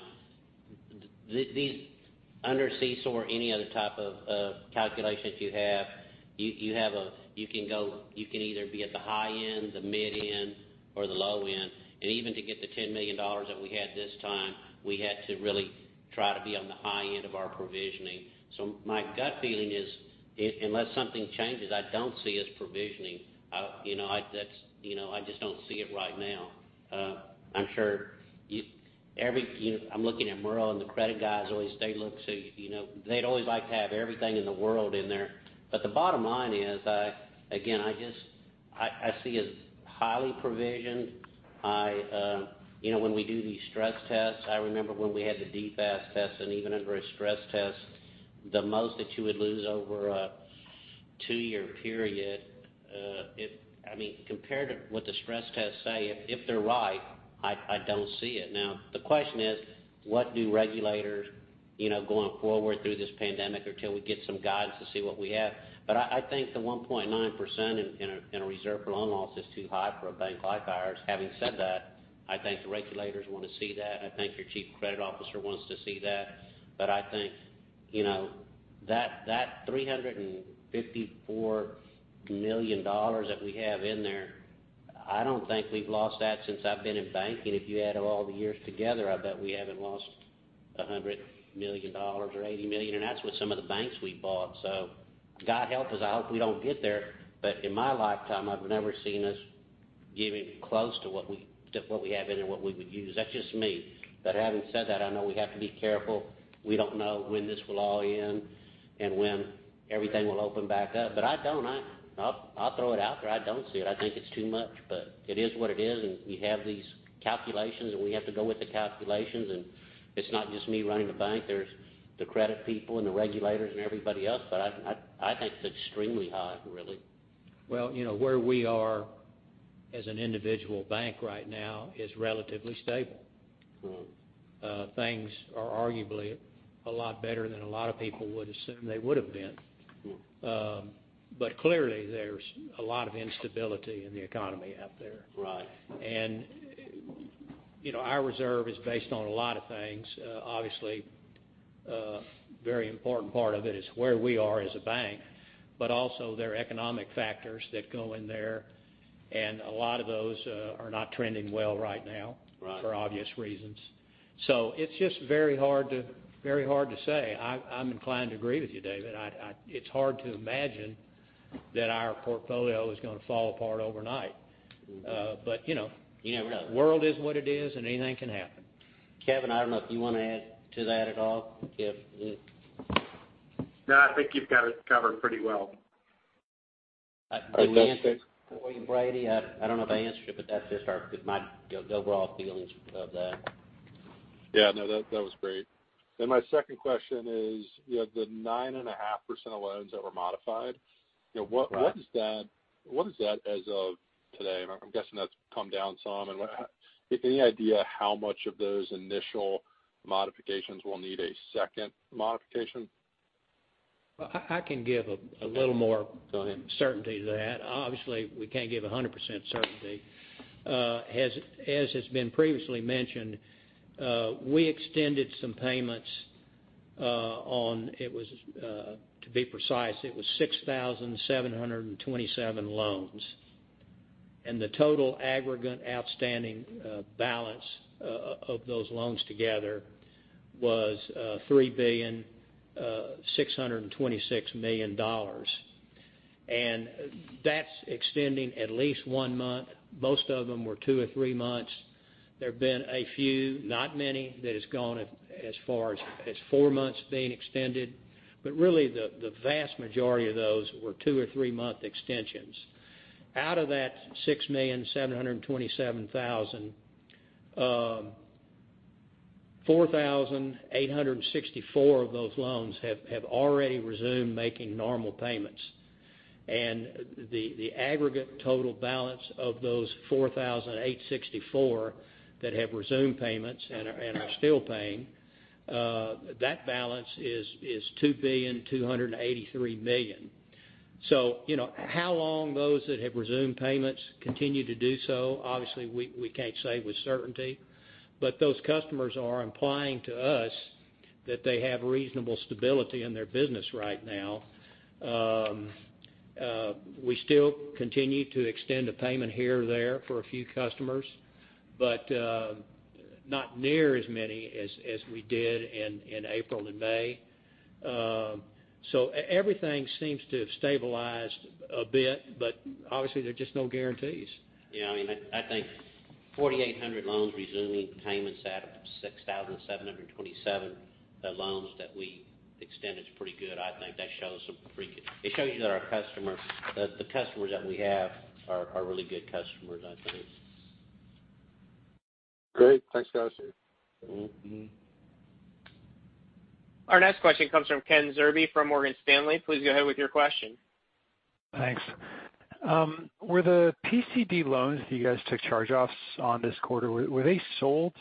under CECL or any other type of calculations you have, you can either be at the high end, the mid end, or the low end. Even to get the $10 million that we had this time, we had to really try to be on the high end of our provisioning. My gut feeling is, unless something changes, I don't see us provisioning. I just don't see it right now. I'm sure Every year, I'm looking at Merle and the credit guys always, they look, they'd always like to have everything in the world in there. The bottom line is, again, I see it as highly provisioned. When we do these stress tests, I remember when we had the DFAST test, even under a stress test, the most that you would lose over a two-year period, compared to what the stress tests say, if they're right, I don't see it. The question is, what do regulators, going forward through this pandemic, until we get some guidance to see what we have. I think the 1.9% in reserve for loan loss is too high for a bank like ours. Having said that, I think the regulators want to see that. I think your Chief Credit Officer wants to see that. I think that $354 million that we have in there, I don't think we've lost that since I've been in banking. If you added all the years together, I bet we haven't lost $100 million or $80 million, and that's with some of the banks we bought. God help us, I hope we don't get there, but in my lifetime, I've never seen us giving close to what we have in there, what we would use. That's just me. Having said that, I know we have to be careful. We don't know when this will all end and when everything will open back up. I don't know. I'll throw it out there. I don't see it. I think it's too much, but it is what it is, and we have these calculations, and we have to go with the calculations, and it's not just me running the bank. There's the credit people and the regulators and everybody else, but I think it's extremely high, really. Well, where we are as an individual bank right now is relatively stable. Things are arguably a lot better than a lot of people would assume they would've been. Clearly, there's a lot of instability in the economy out there. Right. Our reserve is based on a lot of things. Obviously, a very important part of it is where we are as a bank, but also there are economic factors that go in there, and a lot of those are not trending well right now- Right. for obvious reasons. It's just very hard to say. I'm inclined to agree with you, David. It's hard to imagine that our portfolio is going to fall apart overnight- You never know. the world is what it is, and anything can happen. Kevin, I don't know if you want to add to that at all? No, I think you've got it covered pretty well. I think that's it. Did we answer Brady? I don't know if I answered it, but that's just my overall feelings of that. Yeah, no, that was great. My second question is, the 9.5% of loans that were modified? Right. What is that as of today? I'm guessing that's come down some, and any idea how much of those initial modifications will need a second modification? I can give a little more- Go ahead. certainty to that. Obviously, we can't give 100% certainty. As has been previously mentioned, we extended some payments on, to be precise, it was 6,727 loans. The total aggregate outstanding balance of those loans together was $3,626,000,000. That's extending at least one month. Most of them were two or three months. There have been a few, not many, that has gone as far as four months being extended. Really, the vast majority of those were two or three-month extensions. Out of that 6,727,000, 4,864 of those loans have already resumed making normal payments. The aggregate total balance of those 4,864 that have resumed payments and are still paying, that balance is $2,283,000,000. How long those that have resumed payments continue to do so, obviously, we can't say with certainty. Those customers are implying to us that they have reasonable stability in their business right now. We still continue to extend a payment here or there for a few customers, but not near as many as we did in April and May. Everything seems to have stabilized a bit, but obviously, there are just no guarantees. Yeah, I think 4,800 loans resuming payments out of 6,727 loans that we extended is pretty good. I think that shows you that the customers that we have are really good customers, I think. Great. Thanks, guys. Our next question comes from Ken Zerbe from Morgan Stanley. Please go ahead with your question. Thanks. Were the PCD loans that you guys took charge offs on this quarter, were they sold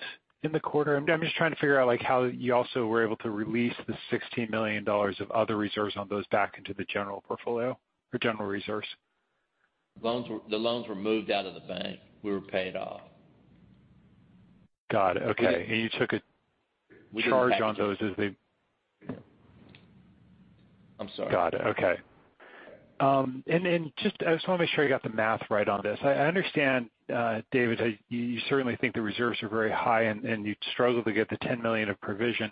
in the quarter? I'm just trying to figure out how you also were able to release the $16 million of other reserves on those back into the general portfolio or general reserves. The loans were moved out of the bank. We were paid off. Got it. Okay. You took a charge on those as they? I'm sorry. Got it. Okay. Just, I just want to make sure I got the math right on this. I understand, David, you certainly think the reserves are very high, and you struggle to get the $10 million of provision.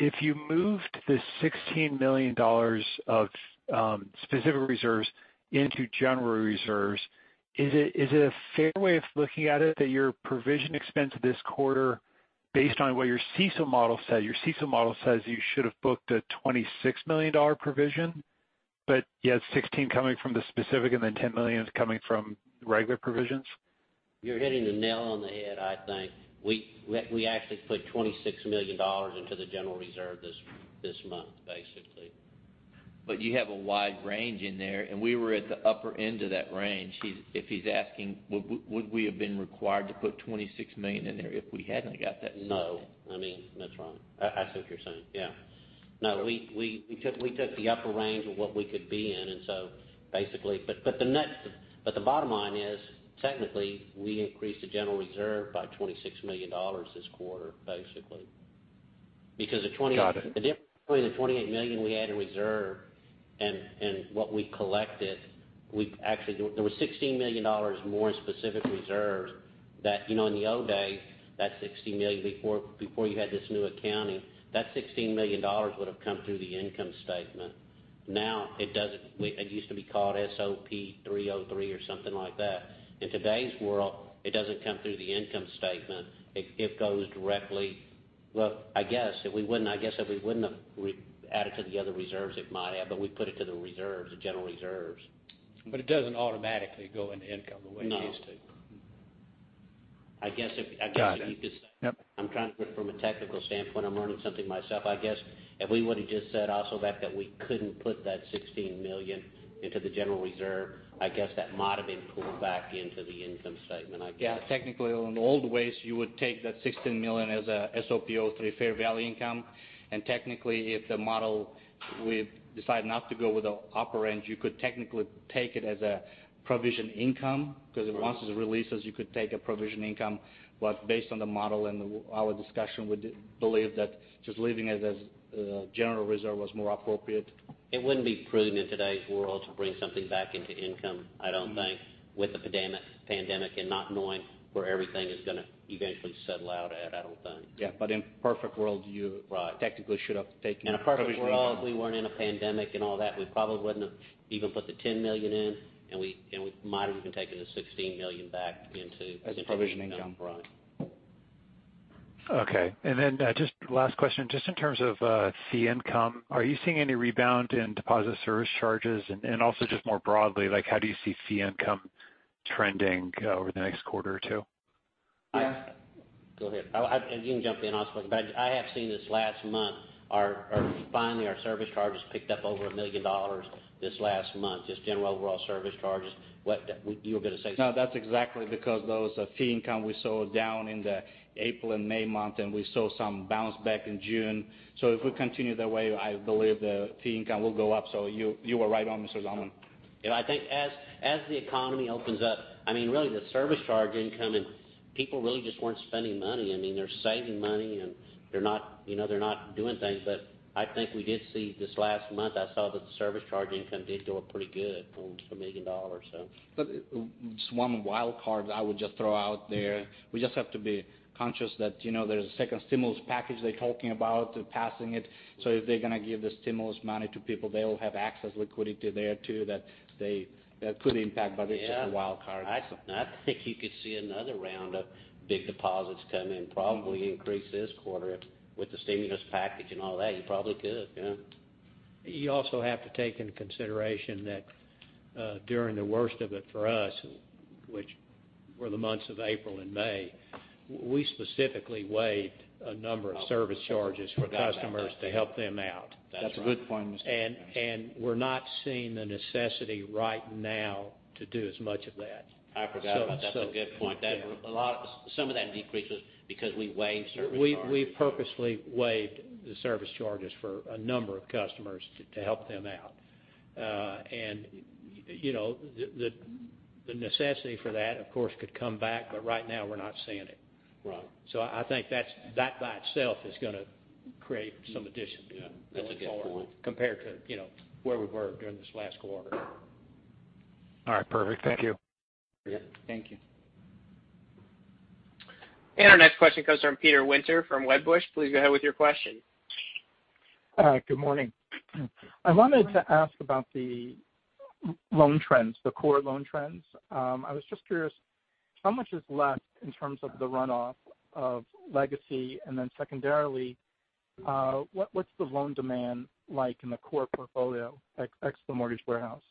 If you moved the $16 million of specific reserves into general reserves, is it a fair way of looking at it that your provision expense this quarter, based on what your CECL model said, your CECL model says you should have booked a $26 million provision? You had $16 coming from the specific, and then $10 million is coming from regular provisions. You're hitting the nail on the head, I think. We actually put $26 million into the general reserve this month, basically. You have a wide range in there, and we were at the upper end of that range. If he's asking, would we have been required to put $26 million in there if we hadn't got that? No. That's wrong. I see what you're saying, yeah. No, we took the upper range of what we could be in. The bottom line is, technically, we increased the general reserve by $26 million this quarter, basically. Got it. The difference between the $28 million we had in reserve and what we collected, there was $16 million more in specific reserves that, in the old days, that $16 million before you had this new accounting, that $16 million would've come through the income statement. It doesn't. It used to be called SOP 03-3 or something like that. In today's world, it doesn't come through the income statement. Well, I guess, if we wouldn't have added to the other reserves, it might have, but we put it to the reserves, the general reserves. It doesn't automatically go into income the way it used to. No. I guess if you could say- Got it. Yep. I'm trying to put from a technical standpoint, I'm learning something myself. I guess if we would've just said also that we couldn't put that $16 million into the general reserve, I guess that might've been pulled back into the income statement, I guess. Yeah. Technically, in the old ways, you would take that $16 million as a SOP 03 fair value income. Technically, if the model, we decide not to go with the upper end, you could technically take it as a provision income because once it releases, you could take a provision income. Based on the model and our discussion, we believe that just leaving it as a general reserve was more appropriate. It wouldn't be prudent in today's world to bring something back into income, I don't think, with the pandemic and not knowing where everything is going to eventually settle out at, I don't think. Yeah. In a perfect world- Right. technically should have taken it as a provision income. In a perfect world, if we weren't in a pandemic and all that, we probably wouldn't have even put the $10 million in, and we might have even taken the $16 million back into- As a provision income. general fund. Okay. Just last question, just in terms of fee income, are you seeing any rebound in deposit service charges? Just more broadly, how do you see fee income trending over the next quarter or two? Go ahead. You can jump in also, but I have seen this last month, finally our service charges picked up over $1 million this last month, just general overall service charges. What you were going to say? No, that's exactly because those fee income we saw down in the April and May month, and we saw some bounce back in June. If we continue that way, I believe the fee income will go up. You are right on, Mr. Zalman. I think as the economy opens up, really the service charge income and people really just weren't spending money. They're saving money and they're not doing things. I think we did see this last month, I saw that the service charge income did do pretty good, almost $1 million. One wild card I would just throw out there, we just have to be conscious that there's a second stimulus package they're talking about, passing it. If they're going to give the stimulus money to people, they'll have access liquidity there too, that could impact. It's just a wild card. Yeah. I think you could see another round of big deposits come in, probably increase this quarter with the stimulus package and all that. You probably could, yeah. You also have to take into consideration that during the worst of it for us, which were the months of April and May, we specifically waived a number of service charges for customers to help them out. That's right. That's a good point, Mr. Zalman. We're not seeing the necessity right now to do as much of that. I forgot about that. That's a good point. Some of that decrease is because we waived service charges. We purposely waived the service charges for a number of customers to help them out. The necessity for that, of course, could come back, but right now we're not seeing it. Right. I think that by itself is going to create some addition going forward. That's a good point. Compared to where we were during this last quarter. All right, perfect. Thank you. Thank you. Our next question comes from Peter Winter from Wedbush. Please go ahead with your question. Good morning. I wanted to ask about the loan trends, the core loan trends. I was just curious, how much is left in terms of the runoff of Legacy, and then secondarily, what's the loan demand like in the core portfolio, ex the Mortgage Warehouse?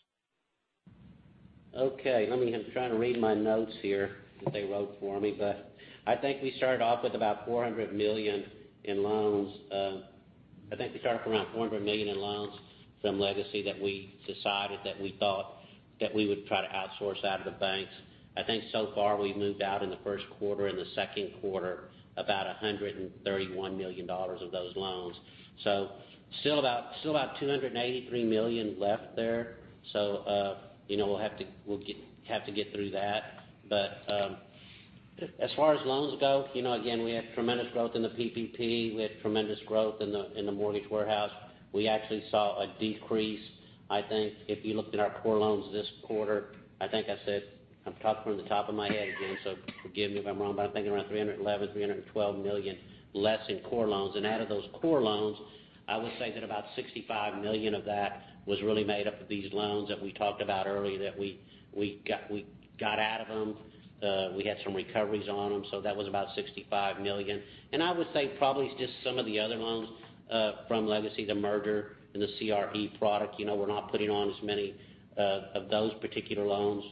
Okay. Let me, I'm trying to read my notes here that they wrote for me. I think we started off with about $400 million in loans. I think we started off around $400 million in loans from Legacy that we decided that we thought that we would try to outsource out of the banks. I think so far we've moved out in the first quarter and the second quarter, about $131 million of those loans. Still about $283 million left there. We'll have to get through that. As far as loans go, again, we had tremendous growth in the PPP. We had tremendous growth in the Mortgage Warehouse. We actually saw a decrease. I think if you looked at our core loans this quarter, I think I said, I'm talking from the top of my head again, so forgive me if I'm wrong, but I think around $311 million, $312 million less in core loans. Out of those core loans, I would say that about $65 million of that was really made up of these loans that we talked about earlier, that we got out of them. We had some recoveries on them, so that was about $65 million. I would say probably just some of the other loans, from Legacy, the merger, and the CRE product. We're not putting on as many of those particular loans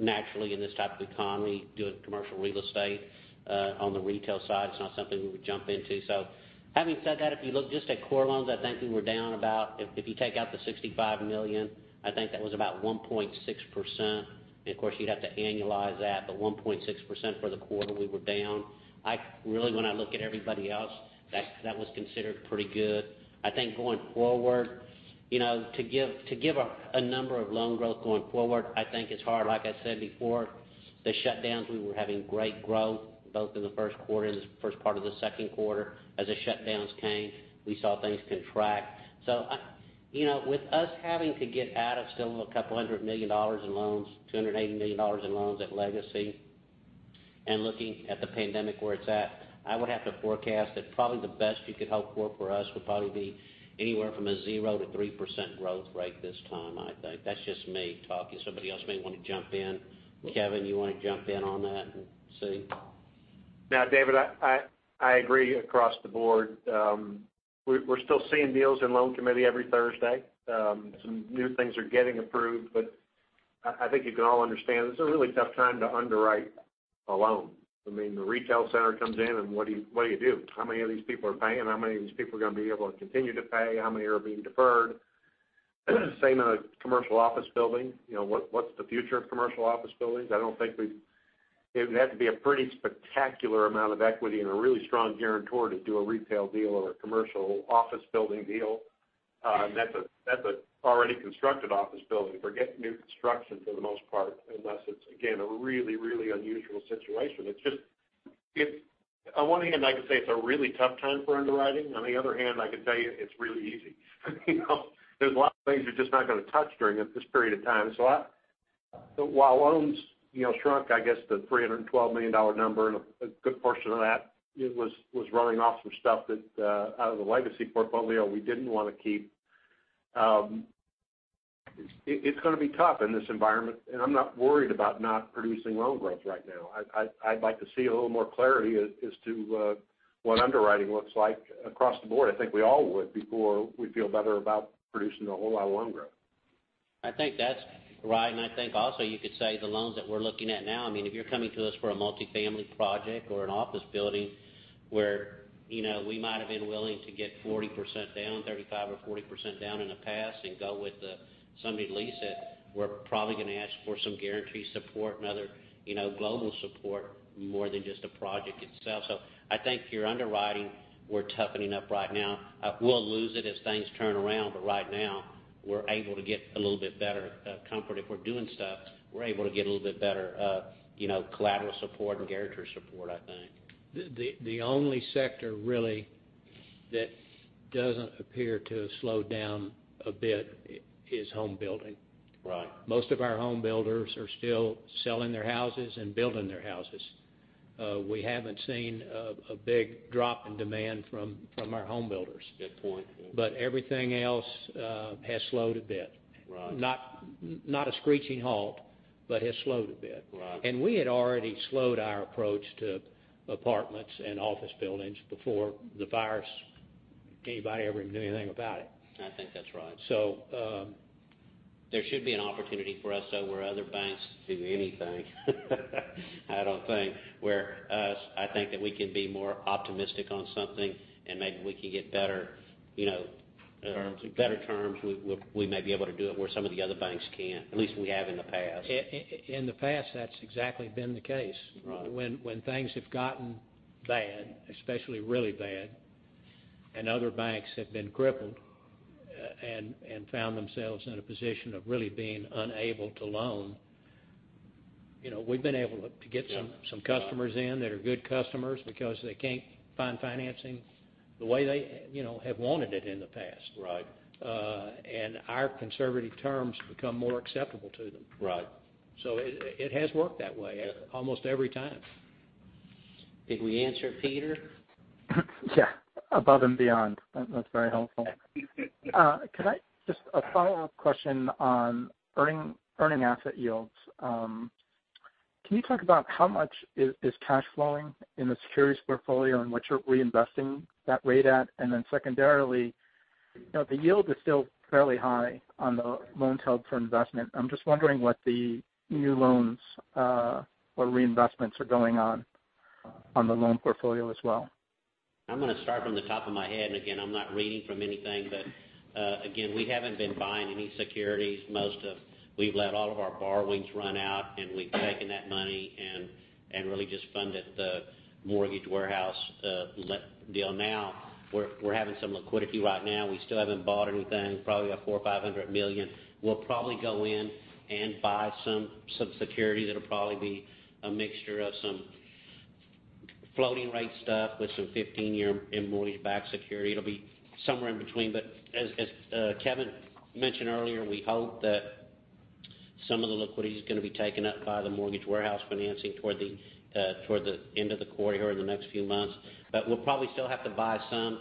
naturally in this type of economy, doing commercial real estate. On the retail side, it's not something we would jump into. Having said that, if you look just at core loans, I think we were down about, if you take out the $65 million, I think that was about 1.6%. Of course, you'd have to annualize that, but 1.6% for the quarter, we were down. Really, when I look at everybody else, that was considered pretty good. I think going forward, to give a number of loan growth going forward, I think it's hard. Like I said before, the shutdowns, we were having great growth both in the first quarter and the first part of the second quarter. As the shutdowns came, we saw things contract. With us having to get out of still a couple hundred million in loans, $280 million in loans at Legacy, and looking at the pandemic where it's at, I would have to forecast that probably the best you could hope for us, would probably be anywhere from a 0%-3% growth rate this time, I think. That's just me talking. Somebody else may want to jump in. Kevin, you want to jump in on that and see? No, David, I agree across the board. We're still seeing deals in loan committee every Thursday. Some new things are getting approved, but I think you can all understand this is a really tough time to underwrite a loan. The retail center comes in and what do you do? How many of these people are paying? How many of these people are going to be able to continue to pay? How many are being deferred? Same in a commercial office building. What's the future of commercial office buildings? It would have to be a pretty spectacular amount of equity and a really strong guarantor to do a retail deal or a commercial office building deal. That's an already constructed office building. Forget new construction for the most part, unless it's, again, a really unusual situation. On one hand, I could say it's a really tough time for underwriting. I could tell you it's really easy. There's a lot of things you're just not going to touch during this period of time. While loans shrunk, I guess, to the $312 million number, and a good portion of that was running off some stuff out of the Legacy portfolio we didn't want to keep. It's going to be tough in this environment, and I'm not worried about not producing loan growth right now. I'd like to see a little more clarity as to what underwriting looks like across the board. I think we all would before we'd feel better about producing a whole lot of loan growth. I think that's right, and I think also you could say the loans that we're looking at now, if you're coming to us for a multifamily project or an office building where we might have been willing to get 40% down, 35% or 40% down in the past and go with somebody lease it, we're probably going to ask for some guarantee support and other global support more than just the project itself. I think your underwriting, we're toughening up right now. We'll lose it as things turn around, but right now, we're able to get a little bit better comfort if we're doing stuff. We're able to get a little bit better collateral support and guarantor support, I think. The only sector really that doesn't appear to have slowed down a bit is home building. Right. Most of our home builders are still selling their houses and building their houses. We haven't seen a big drop in demand from our home builders. Good point. Everything else has slowed a bit. Right. Not a screeching halt, but has slowed a bit. Right. We had already slowed our approach to apartments and office buildings before the virus, anybody ever knew anything about it. I think that's right. There should be an opportunity for us, though, where other banks, do anything I don't think, where us, I think that we can be more optimistic on something and maybe we can get better. Terms. Better terms. We may be able to do it where some of the other banks can't. At least we have in the past. In the past, that's exactly been the case. Right. When things have gotten bad, especially really bad, and other banks have been crippled and found themselves in a position of really being unable to loan, we've been able to get some customers in that are good customers because they can't find financing the way they have wanted it in the past. Right. Our conservative terms become more acceptable to them. Right. It has worked that way almost every time. Did we answer, Peter? Yeah. Above and beyond. That's very helpful. Just a follow-up question on earning asset yields. Can you talk about how much is cash flowing in the securities portfolio and what you're reinvesting that rate at? Secondarily, the yield is still fairly high on the loans held for investment. I'm just wondering what the new loans, or reinvestments are going on the loan portfolio as well. I'm going to start from the top of my head, and again, I'm not reading from anything. Again, we haven't been buying any securities. We've let all of our borrowings run out, and we've taken that money and really just funded the Mortgage Warehouse deal now. We're having some liquidity right now. We still haven't bought anything, probably about $400 million or $500 million. We'll probably go in and buy some securities that'll probably be a mixture of some floating rate stuff with some 15-year mortgage-backed security. It'll be somewhere in between. As Kevin mentioned earlier, we hope that some of the liquidity is going to be taken up by the Mortgage Warehouse financing toward the end of the quarter or in the next few months. We'll probably still have to buy some.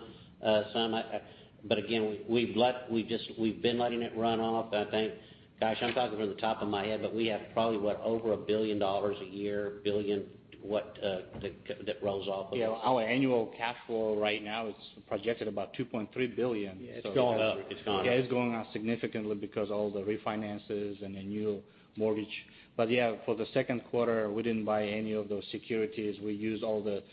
Again, we've been letting it run off. I think, gosh, I'm talking from the top of my head, we have probably over $1 billion a year that rolls off of. Our annual cash flow right now is projected about $2.3 billion. It's gone up. Yeah, it's going up significantly because all the refinances and the new mortgage. Yeah, for the second quarter, we didn't buy any of those securities. We used all the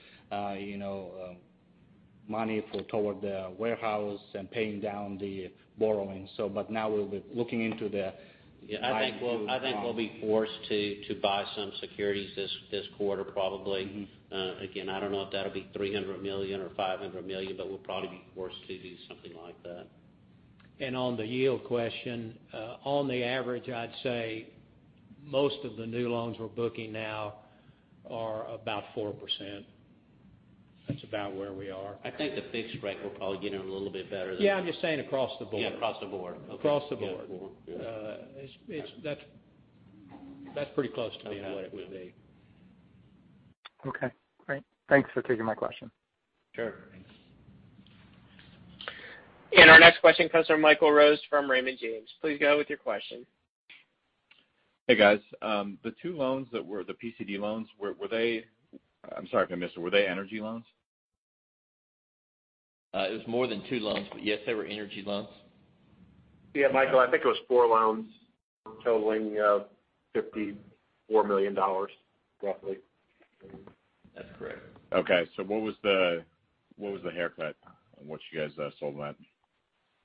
money toward the warehouse and paying down the borrowing. Now we're looking into the- Yeah, I think we'll be forced to buy some securities this quarter, probably. Again, I don't know if that'll be $300 million or $500 million, but we'll probably be forced to do something like that. On the yield question, on the average, I'd say most of the new loans we're booking now are about 4%. That's about where we are. I think the fixed rate, we're probably getting a little bit better than- Yeah, I'm just saying across the board. Yeah, across the board. Across the board. Yeah. That's pretty close to what it would be. Okay, great. Thanks for taking my question. Sure. Thanks. Our next question comes from Michael Rose from Raymond James. Please go with your question. Hey, guys. The two loans that were the PCD loans, I'm sorry if I missed them. Were they energy loans? It was more than two loans, but yes, they were energy loans. Yeah, Michael, I think it was four loans totaling $54 million, roughly. That's correct. Okay. What was the haircut on what you guys sold that?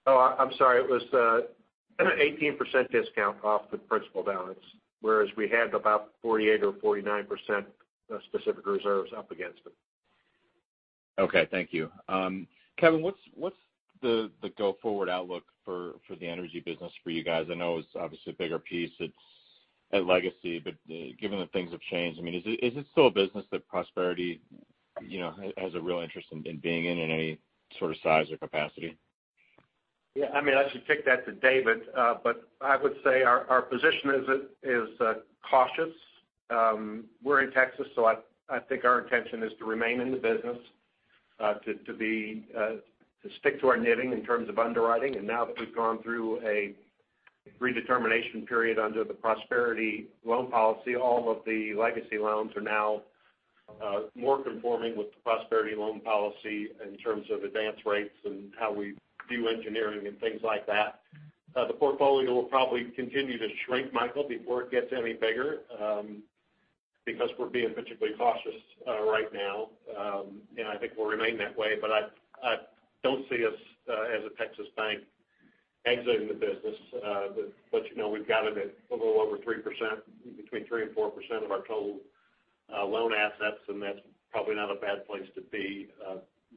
Oh, I'm sorry. It was an 18% discount off the principal balance, whereas we had about 48% or 49% of specific reserves up against it. Okay, thank you. Kevin, what's the go-forward outlook for the energy business for you guys? I know it's obviously a bigger piece at Legacy, but given that things have changed, is it still a business that Prosperity has a real interest in being in any sort of size or capacity? Yeah, I should kick that to David. I would say our position is cautious. We're in Texas. I think our intention is to remain in the business, to stick to our knitting in terms of underwriting. Now that we've gone through a redetermination period under the Prosperity loan policy, all of the Legacy loans are now more conforming with the Prosperity loan policy in terms of advance rates and how we view engineering and things like that. The portfolio will probably continue to shrink, Michael, before it gets any bigger because we're being particularly cautious right now, and I think we'll remain that way. I don't see us as a Texas bank exiting the business. We've got it at a little over 3%, between 3% and 4% of our total loan assets, and that's probably not a bad place to be,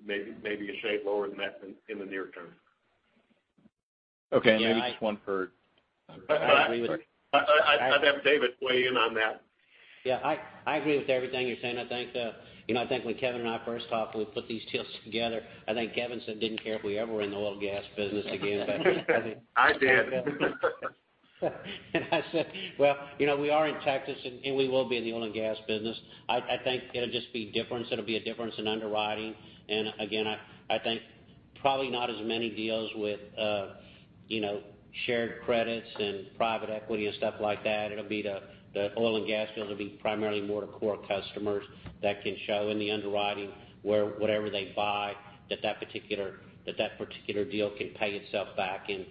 maybe a shade lower than that in the near term. Okay. Maybe just one. I'd have David weigh in on that. Yeah. I agree with everything you're saying. I think when Kevin and I first talked, and we put these deals together, I think Kevin said didn't care if we were ever in the oil and gas business again. I did. Well, we are in Texas, and we will be in the oil and gas business. I think it'll just be different. It'll be a difference in underwriting. Again, I think probably not as many deals with shared credits and private equity and stuff like that. It'll be the oil and gas field will be primarily more to core customers that can show in the underwriting whatever they buy, that that particular deal can pay itself back in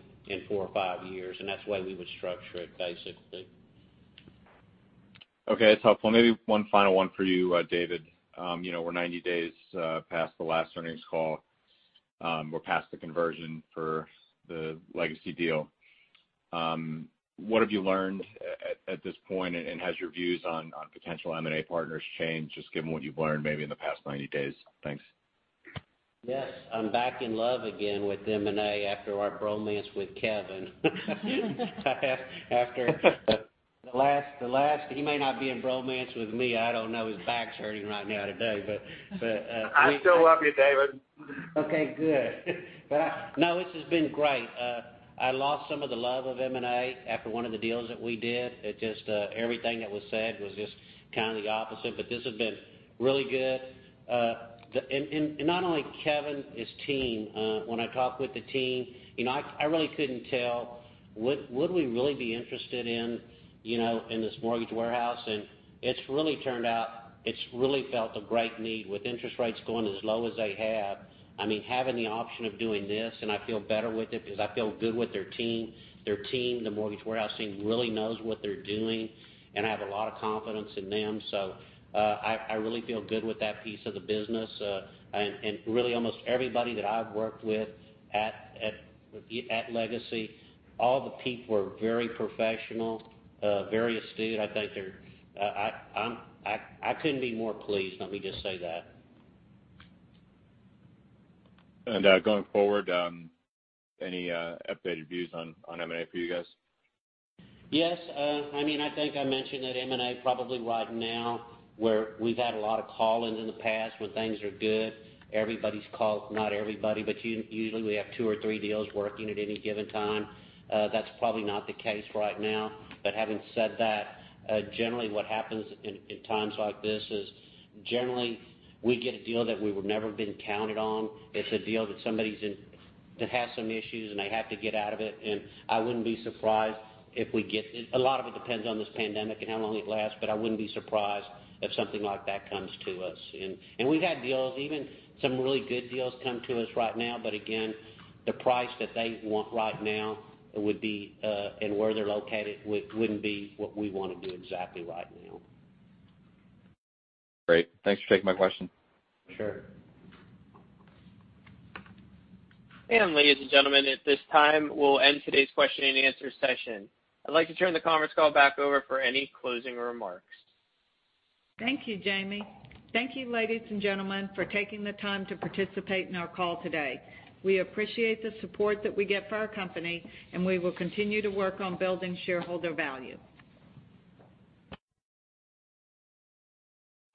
four or five years, and that's the way we would structure it, basically. Okay. That's helpful. Maybe one final one for you, David. We're 90 days past the last earnings call. We're past the conversion for the Legacy deal. What have you learned at this point, and has your views on potential M&A partners changed, just given what you've learned maybe in the past 90 days? Thanks. Yes. I'm back in love again with M&A after our bromance with Kevin. He may not be in bromance with me. I don't know. His back's hurting right now today. I still love you, David. Okay, good. No, it's just been great. I lost some of the love of M&A after one of the deals that we did. Everything that was said was just kind of the opposite, but this has been really good. Not only Kevin, his team. When I talk with the team, I really couldn't tell would we really be interested in this Mortgage Warehouse, and it's really turned out. It's really felt a great need with interest rates going as low as they have. Having the option of doing this, and I feel better with it because I feel good with their team. Their team, the Mortgage Warehouse team, really knows what they're doing, and I have a lot of confidence in them. I really feel good with that piece of the business. Really almost everybody that I've worked with at Legacy, all the people are very professional, very astute. I couldn't be more pleased. Let me just say that. Going forward, any updated views on M&A for you guys? Yes. I think I mentioned that M&A probably right now, where we've had a lot of call-ins in the past when things are good. Everybody's called. Not everybody, but usually, we have two or three deals working at any given time. That's probably not the case right now. Having said that, generally what happens in times like this is generally we get a deal that we would never have been counted on. It's a deal that somebody's in that has some issues, and they have to get out of it. I wouldn't be surprised if we get. A lot of it depends on this pandemic and how long it lasts, but I wouldn't be surprised if something like that comes to us. We've had deals, even some really good deals come to us right now, but again, the price that they want right now and where they're located wouldn't be what we want to do exactly right now. Great. Thanks for taking my question. Sure. Ladies and gentlemen, at this time, we'll end today's question-and-answer session. I'd like to turn the conference call back over for any closing remarks. Thank you, Jamie. Thank you, ladies and gentlemen, for taking the time to participate in our call today. We appreciate the support that we get for our company, and we will continue to work on building shareholder value.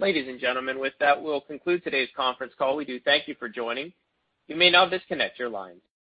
Ladies and gentlemen, with that, we'll conclude today's conference call. We do thank you for joining. You may now disconnect your lines.